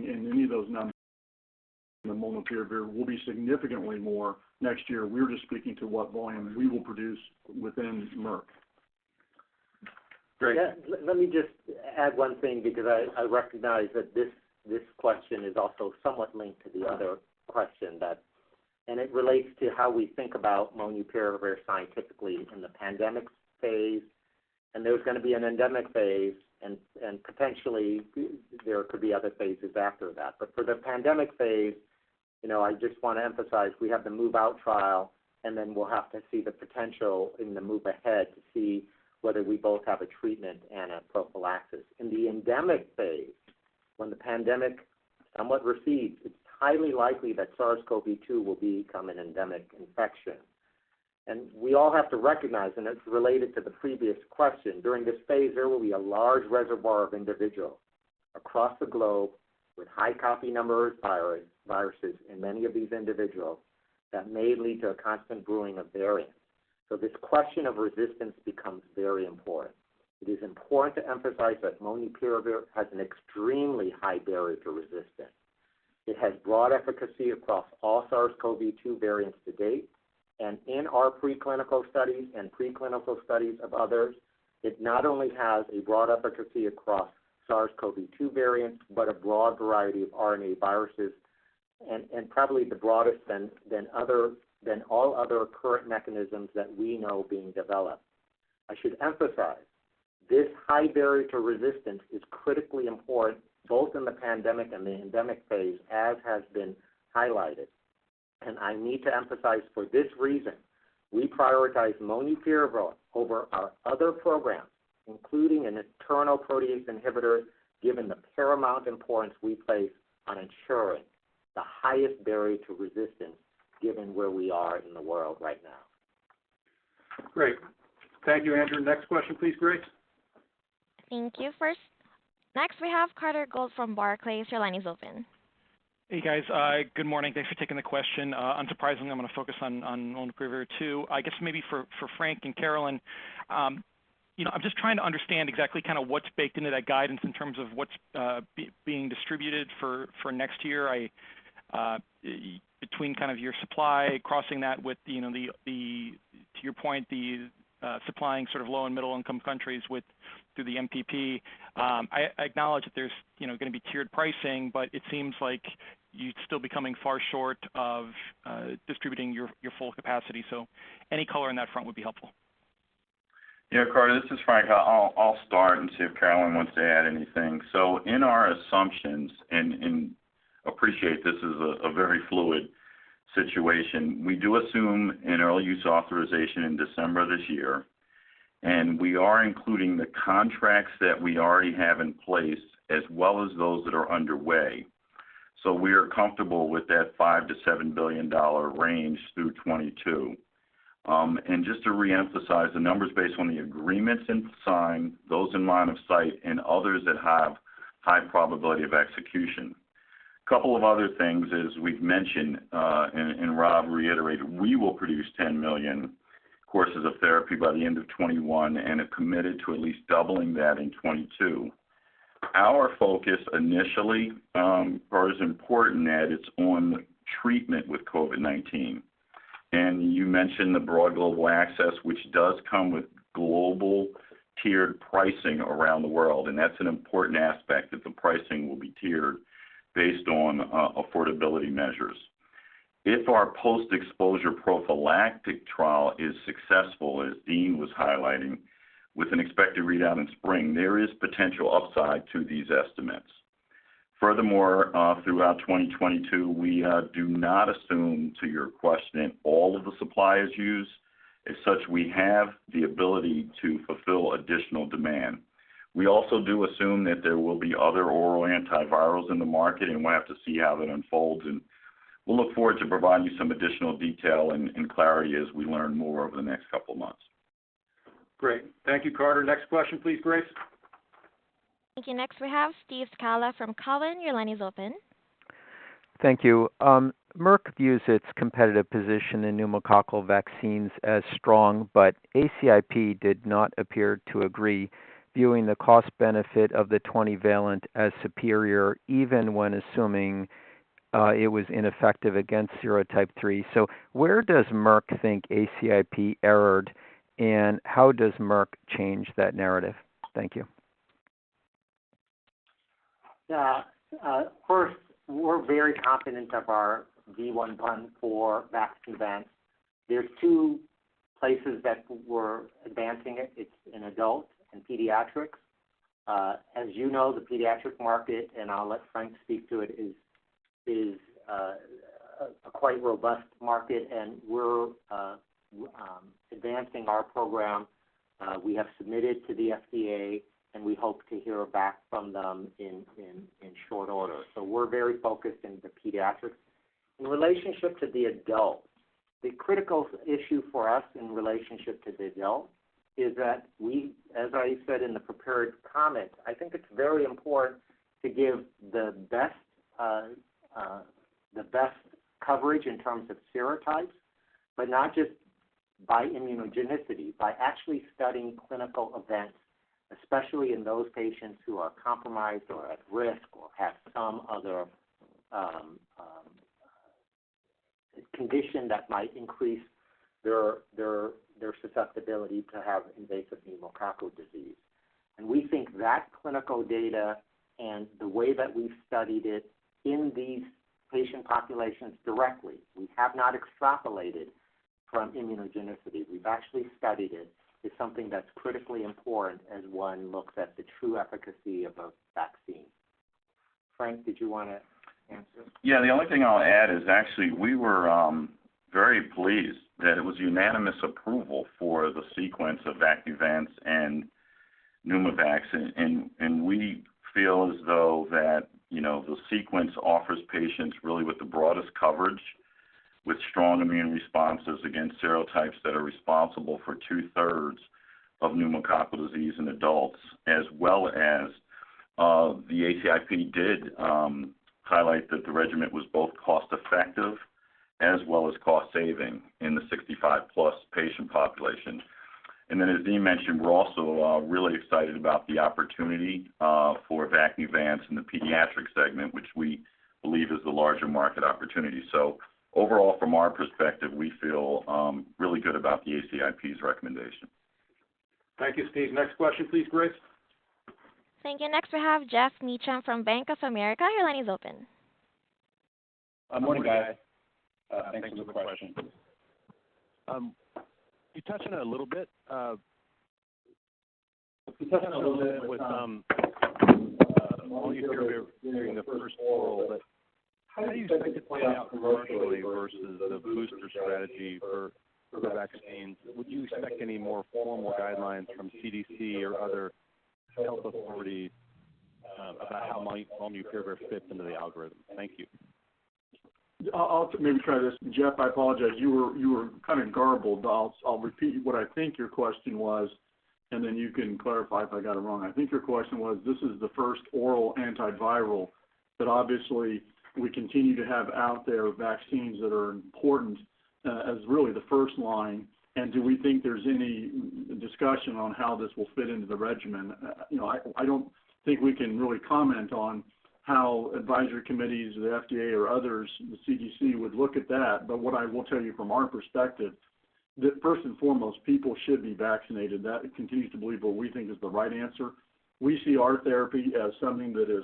Speaker 3: in any of those, non-molnupiravir will be significantly more next year. We're just speaking to what volume we will produce within Merck.
Speaker 4: Great.
Speaker 6: Yeah. Let me just add one thing because I recognize that this question is also somewhat linked to the other question. It relates to how we think about molnupiravir scientifically in the pandemic phase, and there's gonna be an endemic phase and potentially there could be other phases after that. For the pandemic phase, you know, I just want to emphasize we have the MOVe-OUT trial, and then we'll have to see the potential in the MOVe-AHEAD to see whether we both have a treatment and a prophylaxis. In the endemic phase, when the pandemic somewhat recedes, it's highly likely that SARS-CoV-2 will become an endemic infection. We all have to recognize, and it's related to the previous question, during this phase, there will be a large reservoir of individuals across the globe with high copy numbers virus, viruses in many of these individuals that may lead to a constant brewing of variants. This question of resistance becomes very important. It is important to emphasize that molnupiravir has an extremely high barrier to resistance. It has broad efficacy across all SARS-CoV-2 variants to date, and in our preclinical studies and preclinical studies of others, it not only has a broad efficacy across SARS-CoV-2 variants, but a broad variety of RNA viruses and probably the broadest than all other current mechanisms that we know are being developed. This high barrier to resistance is critically important both in the pandemic and the endemic phase, as has been highlighted. I need to emphasize for this reason, we prioritize molnupiravir over our other programs, including an oral protease inhibitor, given the paramount importance we place on ensuring the highest barrier to resistance given where we are in the world right now.
Speaker 2: Great. Thank you, Andrew. Next question, please, Grace.
Speaker 1: Thank you. Next, we have Carter Gould from Barclays. Your line is open.
Speaker 10: Hey, guys. Good morning. Thanks for taking the question. Unsurprisingly, I'm gonna focus on molnupiravir too. I guess maybe for Frank and Caroline, you know, I'm just trying to understand exactly kinda what's baked into that guidance in terms of what's being distributed for next year. Between kind of your supply, crossing that with, you know, the, to your point, the supplying sort of low and middle income countries with, through the MPP. I acknowledge that there's, you know, gonna be tiered pricing, but it seems like you'd still be coming far short of distributing your full capacity. Any color on that front would be helpful.
Speaker 4: Yeah, Carter, this is Frank. I'll start and see if Caroline wants to add anything. In our assumptions and appreciate this is a very fluid situation, we do assume an early use authorization in December of this year, and we are including the contracts that we already have in place as well as those that are underway. We are comfortable with that $5 billion-$7 billion range through 2022. Just to reemphasize, the numbers based on the agreements signed, those in line of sight, and others that have high probability of execution. Couple of other things, as we've mentioned, and Rob reiterated, we will produce 10 million courses of therapy by the end of 2021, and have committed to at least doubling that in 2022. Our focus initially is important that it's on treatment with COVID-19. You mentioned the broad global access, which does come with global tiered pricing around the world, and that's an important aspect, that the pricing will be tiered based on affordability measures. If our post-exposure prophylactic trial is successful, as Dean was highlighting, with an expected readout in spring, there is potential upside to these estimates. Furthermore, throughout 2022, we do not assume, to your question, all of the supply is used. As such, we have the ability to fulfill additional demand. We also do assume that there will be other oral antivirals in the market, and we'll have to see how that unfolds, and we'll look forward to providing you some additional detail and clarity as we learn more over the next couple of months.
Speaker 2: Great. Thank you, Carter. Next question please, Grace.
Speaker 1: Thank you. Next we have Steve Scala from Cowen. Your line is open.
Speaker 11: Thank you. Merck views its competitive position in pneumococcal vaccines as strong, but ACIP did not appear to agree, viewing the cost benefit of the 20-valent as superior even when assuming it was ineffective against serotype 3. Where does Merck think ACIP errored, and how does Merck change that narrative? Thank you.
Speaker 6: Yeah. First, we're very confident of our V114 Vaxneuvance. There are two places that we're advancing it. It's in adult and pediatrics. As you know, the pediatric market, and I'll let Frank speak to it, is a quite robust market and we're advancing our program. We have submitted to the FDA, and we hope to hear back from them in short order. We're very focused in the pediatrics. In relationship to the adults, the critical issue for us in relationship to the adult is that we, as I said in the prepared comments, I think it's very important to give the best coverage in terms of serotypes, but not just by immunogenicity, by actually studying clinical events, especially in those patients who are compromised or at risk or have some other condition that might increase their susceptibility to have invasive pneumococcal disease. We think that clinical data and the way that we've studied it in these patient populations directly, we have not extrapolated from immunogenicity, we've actually studied it, is something that's critically important as one looks at the true efficacy of a vaccine. Frank, did you wanna answer?
Speaker 4: Yeah. The only thing I'll add is actually, we were very pleased that it was unanimous approval for the sequence of Vaxneuvance and PNEUMOVAX23. We feel as though that, you know, the sequence offers patients really with the broadest coverage, with strong immune responses against serotypes that are responsible for two-thirds of pneumococcal disease in adults, as well as the ACIP did highlight that the regimen was both cost-effective as well as cost-saving in the 65+ patient population. Then as Dean mentioned, we're also really excited about the opportunity for Vaxneuvance in the pediatric segment, which we believe is the larger market opportunity. Overall, from our perspective, we feel really good about the ACIP's recommendation.
Speaker 2: Thank you, Steve. Next question please, Grace.
Speaker 1: Thank you. Next we have Geoff Meacham from Bank of America. Your line is open.
Speaker 12: Morning, guys. Thanks for the question. You touched on it a little bit with molnupiravir being the first oral, but how do you expect it to play out commercially versus the booster strategy for the vaccines? Would you expect any more formal guidelines from CDC or other health authorities about how molnupiravir fits into the algorithm? Thank you.
Speaker 3: I'll maybe try this. Geoff, I apologize. You were kind of garbled. I'll repeat what I think your question was, and then you can clarify if I got it wrong. I think your question was, this is the first oral antiviral, but obviously we continue to have out there vaccines that are important, as really the first line, and do we think there's any discussion on how this will fit into the regimen? You know, I don't think we can really comment on how advisory committees or the FDA or others, the CDC, would look at that. But what I will tell you from our perspective, the first and foremost, people should be vaccinated. That continues to be what we think is the right answer. We see our therapy as something that is,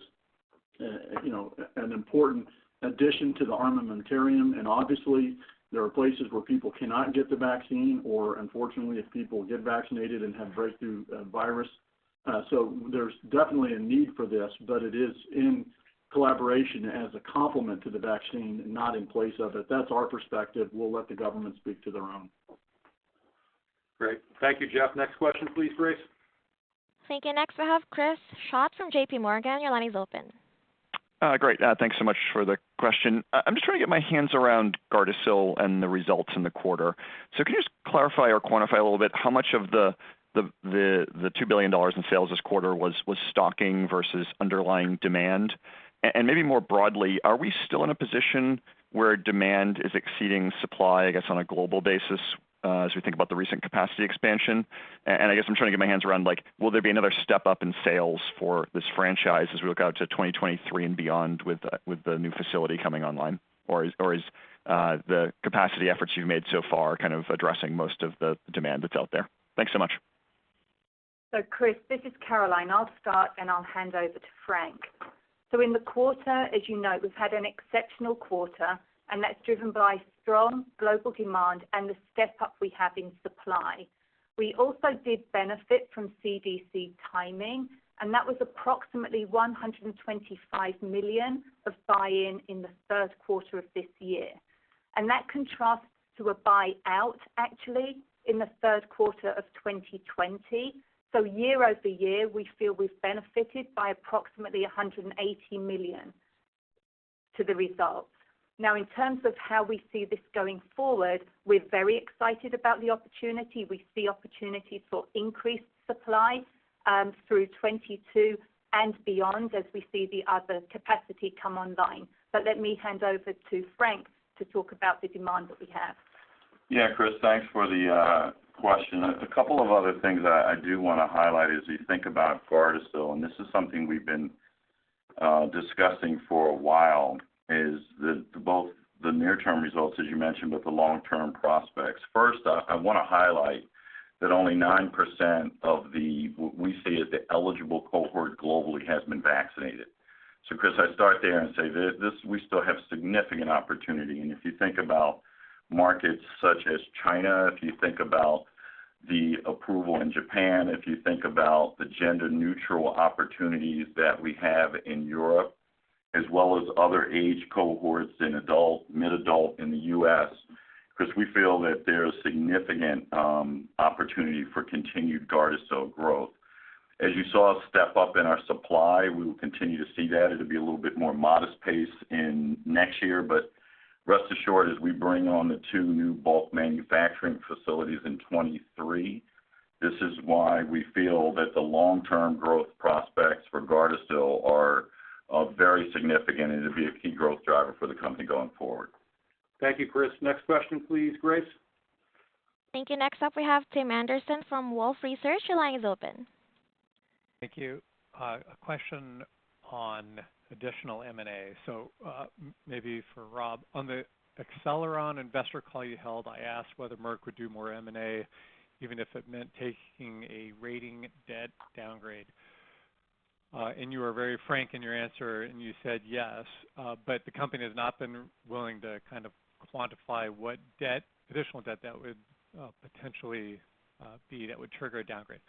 Speaker 3: you know, an important addition to the armamentarium. Obviously there are places where people cannot get the vaccine or unfortunately, if people get vaccinated and have breakthrough virus. So there's definitely a need for this, but it is in collaboration as a complement to the vaccine, not in place of it. That's our perspective. We'll let the government speak to their own.
Speaker 2: Great. Thank you, Geoff. Next question, please, Grace.
Speaker 1: Thank you. Next we have Chris Schott from JPMorgan. Your line is open.
Speaker 13: Great. Thanks so much for the question. I'm just trying to get my hands around GARDASIL and the results in the quarter. So can you just clarify or quantify a little bit how much of the $2 billion in sales this quarter was stocking versus underlying demand? And maybe more broadly, are we still in a position where demand is exceeding supply, I guess, on a global basis, as we think about the recent capacity expansion? And I guess I'm trying to get my hands around, like will there be another step up in sales for this franchise as we look out to 2023 and beyond with the new facility coming online, or is the capacity efforts you've made so far kind of addressing most of the demand that's out there? Thanks so much.
Speaker 5: Chris, this is Caroline. I'll start, and I'll hand over to Frank. In the quarter, as you know, we've had an exceptional quarter, and that's driven by strong global demand and the step up we have in supply. We also did benefit from CDC timing, and that was approximately $125 million of buy-in in the third quarter of this year. That contrasts to a buy out actually in the third quarter of 2020. Year-over-year, we feel we've benefited by approximately $180 million to the results. Now, in terms of how we see this going forward, we're very excited about the opportunity. We see opportunity for increased supply through 2022 and beyond as we see the other capacity come online. Let me hand over to Frank to talk about the demand that we have.
Speaker 4: Yeah, Chris, thanks for the question. A couple of other things I do wanna highlight as we think about GARDASIL, and this is something we've been discussing for a while, is both the near term results, as you mentioned, but the long-term prospects. First, I wanna highlight that only 9% of the what we see as the eligible cohort globally has been vaccinated. So Chris, I start there and say this we still have significant opportunity. If you think about markets such as China, if you think about the approval in Japan, if you think about the gender-neutral opportunities that we have in Europe as well as other age cohorts in adult, mid-adult in the U.S., Chris, we feel that there's significant opportunity for continued GARDASIL growth. As you saw, a step up in our supply, we will continue to see that. It'll be a little bit more modest pace in next year, but rest assured, as we bring on the two new bulk manufacturing facilities in 2023, this is why we feel that the long-term growth prospects for GARDASIL are very significant and to be a key growth driver for the company going forward.
Speaker 2: Thank you, Chris. Next question please, Grace.
Speaker 1: Thank you. Next up, we have Tim Anderson from Wolfe Research. Your line is open.
Speaker 14: Thank you. A question on additional M&A. Maybe for Rob, on the Acceleron investor call you held, I asked whether Merck would do more M&A, even if it meant taking a rating debt downgrade. You were very frank in your answer, and you said, Yes, but the company has not been willing to kind of quantify what additional debt would potentially trigger a downgrade.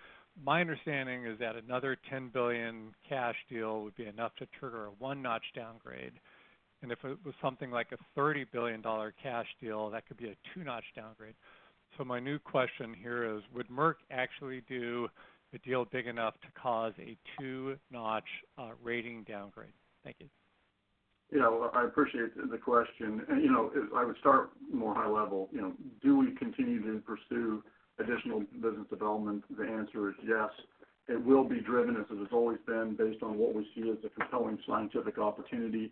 Speaker 14: My understanding is that another $10 billion cash deal would be enough to trigger a one-notch downgrade, and if it was something like a $30 billion cash deal, that could be a two-notch downgrade. My new question here is, would Merck actually do a deal big enough to cause a two-notch rating downgrade? Thank you.
Speaker 3: You know, I appreciate the question. You know, if I would start more high level, you know, do we continue to pursue additional business development? The answer is yes. It will be driven as it has always been based on what we see as a compelling scientific opportunity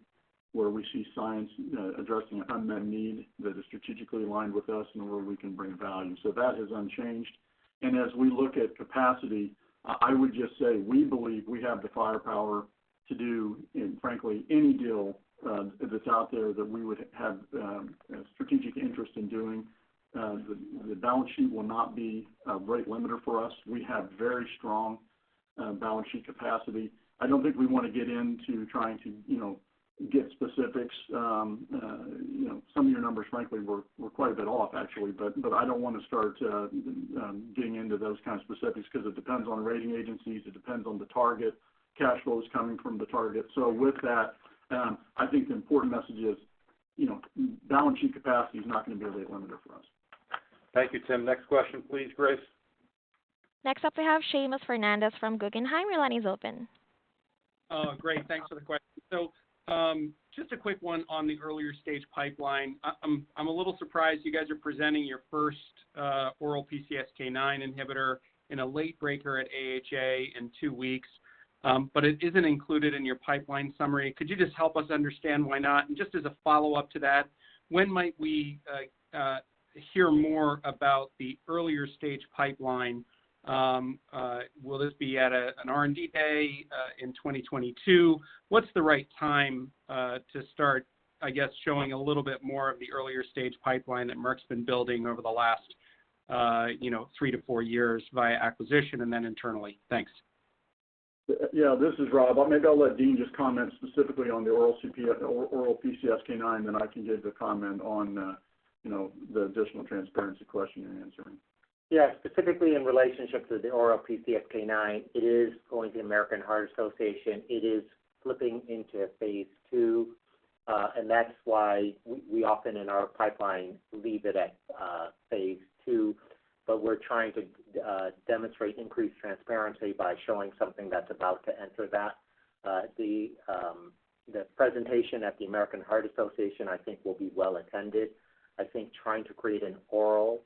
Speaker 3: where we see science, you know, addressing unmet need that is strategically aligned with us and where we can bring value. That is unchanged. As we look at capacity, I would just say we believe we have the firepower to do in frankly any deal that's out there that we would have strategic interest in doing. The balance sheet will not be a rate limiter for us. We have very strong balance sheet capacity. I don't think we wanna get into trying to, you know, give specifics. You know, some of your numbers, frankly, were quite a bit off actually. I don't wanna start getting into those kind of specifics because it depends on rating agencies, it depends on the target, cash flows coming from the target. With that, I think the important message is, you know, balance sheet capacity is not gonna be a rate limiter for us.
Speaker 2: Thank you, Tim. Next question please, Grace.
Speaker 1: Next up, we have Seamus Fernandez from Guggenheim. Your line is open.
Speaker 15: Oh, great. Thanks for the question. Just a quick one on the earlier stage pipeline. I'm a little surprised you guys are presenting your first oral PCSK9 inhibitor in a late breaker at AHA in two weeks, but it isn't included in your pipeline summary. Could you just help us understand why not? Just as a follow-up to that, when might we hear more about the earlier stage pipeline? Will this be at an R&D day in 2022? What's the right time to start, I guess, showing a little bit more of the earlier stage pipeline that Merck's been building over the last you know, three to four years via acquisition and then internally? Thanks.
Speaker 3: Yeah, this is Rob. Maybe I'll let Dean just comment specifically on the oral PCSK9, and then I can give the comment on, you know, the additional transparency question you're answering.
Speaker 6: Yeah. Specifically in relationship to the oral PCSK9, it is going to the American Heart Association. It is flipping into a phase II. That's why we often in our pipeline leave it at phase II, but we're trying to demonstrate increased transparency by showing something that's about to enter that. The presentation at the American Heart Association, I think will be well-attended. I think trying to create an oral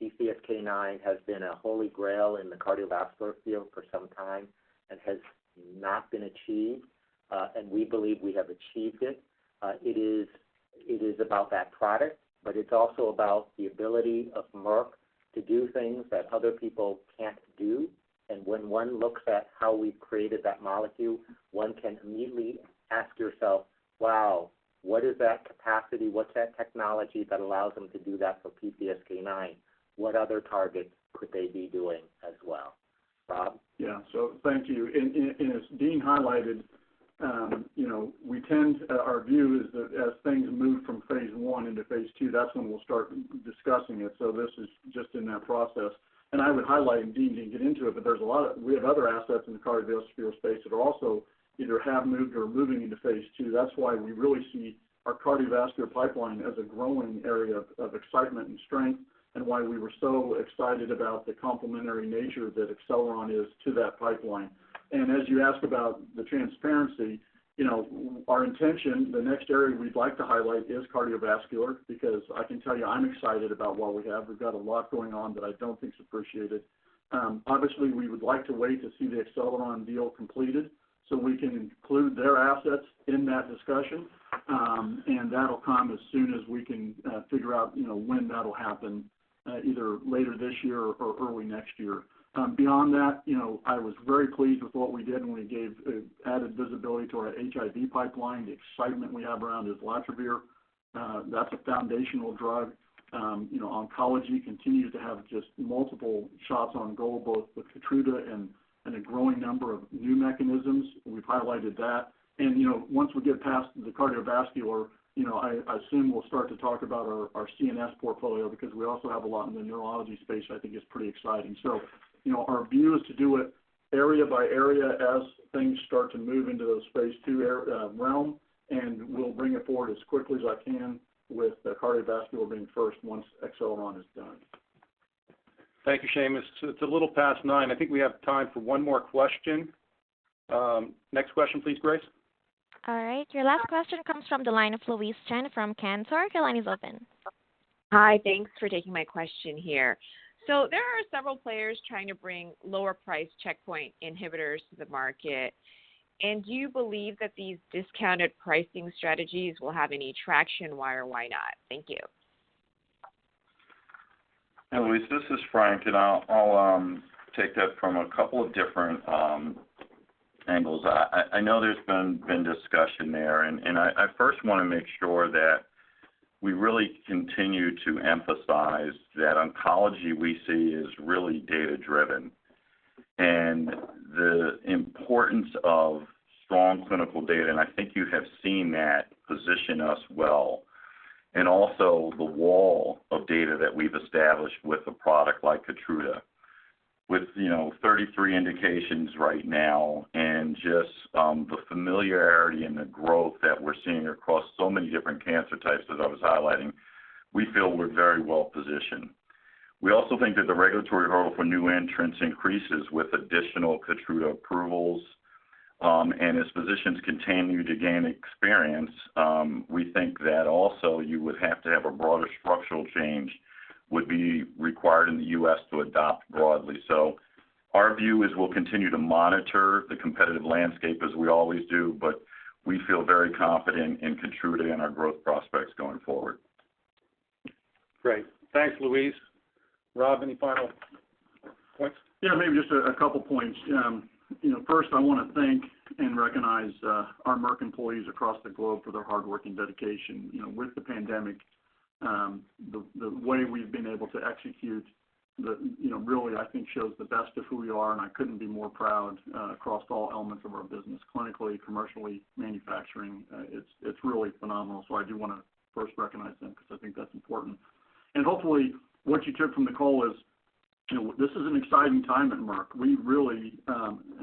Speaker 6: PCSK9 has been a holy grail in the cardiovascular field for some time and has not been achieved, and we believe we have achieved it. It is about that product, but it's also about the ability of Merck to do things that other people can't do. When one looks at how we've created that molecule, one can immediately ask yourself, Wow, what is that capacity? What's that technology that allows them to do that for PCSK9? What other targets could they be doing as well? Rob?
Speaker 3: Thank you. As Dean highlighted, our view is that as things move from phase I into phase II, that's when we'll start discussing it. This is just in that process. I would highlight and Dean can get into it, but there's a lot of. We have other assets in the cardiovascular space that are also either have moved or are moving into phase II. That's why we really see our cardiovascular pipeline as a growing area of excitement and strength, and why we were so excited about the complementary nature that Acceleron is to that pipeline. As you ask about the transparency, our intention, the next area we'd like to highlight is cardiovascular, because I can tell you, I'm excited about what we have. We've got a lot going on that I don't think is appreciated. Obviously, we would like to wait to see the Acceleron deal completed so we can include their assets in that discussion, and that'll come as soon as we can figure out, you know, when that'll happen, either later this year or early next year. Beyond that, you know, I was very pleased with what we did when we gave added visibility to our HIV pipeline. The excitement we have around islatravir, that's a foundational drug. You know, oncology continues to have just multiple shots on goal, both with Keytruda and a growing number of new mechanisms. We've highlighted that. You know, once we get past the cardiovascular, you know, I assume we'll start to talk about our CNS portfolio because we also have a lot in the neurology space that I think is pretty exciting. Our view is to do it area by area as things start to move into those phase II realm, and we'll bring it forward as quickly as I can with the cardiovascular being first once Acceleron is done.
Speaker 2: Thank you, Seamus. It's a little past 9:00 A.M. I think we have time for one more question. Next question please, Grace.
Speaker 1: All right. Your last question comes from the line of Louise Chen from Cantor. Your line is open.
Speaker 16: Hi. Thanks for taking my question here. There are several players trying to bring lower price checkpoint inhibitors to the market. Do you believe that these discounted pricing strategies will have any traction? Why or why not? Thank you.
Speaker 4: Louise, this is Frank. I'll take that from a couple of different angles. I know there's been discussion there, and I first wanna make sure that we really continue to emphasize that oncology we see is really data-driven. The importance of strong clinical data, and I think you have seen that position us well, and also the wall of data that we've established with a product like Keytruda. With you know, 33 indications right now and just the familiarity and the growth that we're seeing across so many different cancer types as I was highlighting, we feel we're very well-positioned. We also think that the regulatory hurdle for new entrants increases with additional Keytruda approvals. As physicians continue to gain experience, we think that also you would have to have a broader structural change would be required in the U.S. to adopt broadly. Our view is we'll continue to monitor the competitive landscape as we always do, but we feel very confident in Keytruda and our growth prospects going forward.
Speaker 2: Great. Thanks, Louise. Rob, any final points?
Speaker 3: Yeah, maybe just a couple points. You know, first I wanna thank and recognize our Merck employees across the globe for their hard work and dedication. You know, with the pandemic, the way we've been able to execute you know, really, I think shows the best of who we are, and I couldn't be more proud across all elements of our business, clinically, commercially, manufacturing. It's really phenomenal. I do wanna first recognize them 'cause I think that's important. Hopefully, what you took from the call is, you know, this is an exciting time at Merck. We really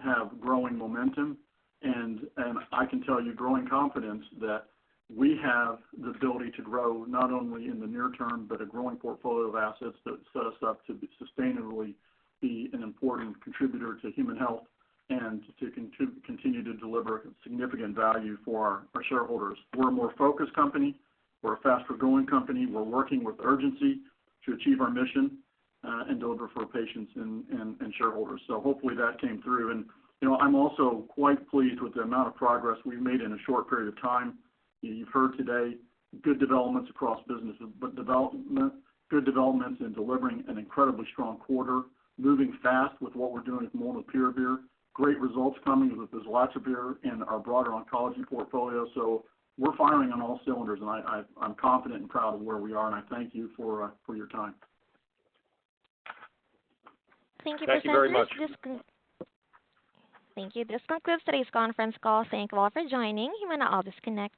Speaker 3: have growing momentum and I can tell you growing confidence that we have the ability to grow not only in the near term, but a growing portfolio of assets that set us up to sustainably be an important contributor to human health and to continue to deliver significant value for our shareholders. We're a more focused company. We're a faster-growing company. We're working with urgency to achieve our mission and deliver for our patients and shareholders. Hopefully, that came through. You know, I'm also quite pleased with the amount of progress we've made in a short period of time. You've heard today good developments across businesses, good developments in delivering an incredibly strong quarter, moving fast with what we're doing with molnupiravir, great results coming with islatravir and our broader oncology portfolio. We're firing on all cylinders, and I'm confident and proud of where we are, and I thank you for your time.
Speaker 2: Thank you very much.
Speaker 1: Thank you. This concludes today's conference call. Thank you all for joining. You may now all disconnect.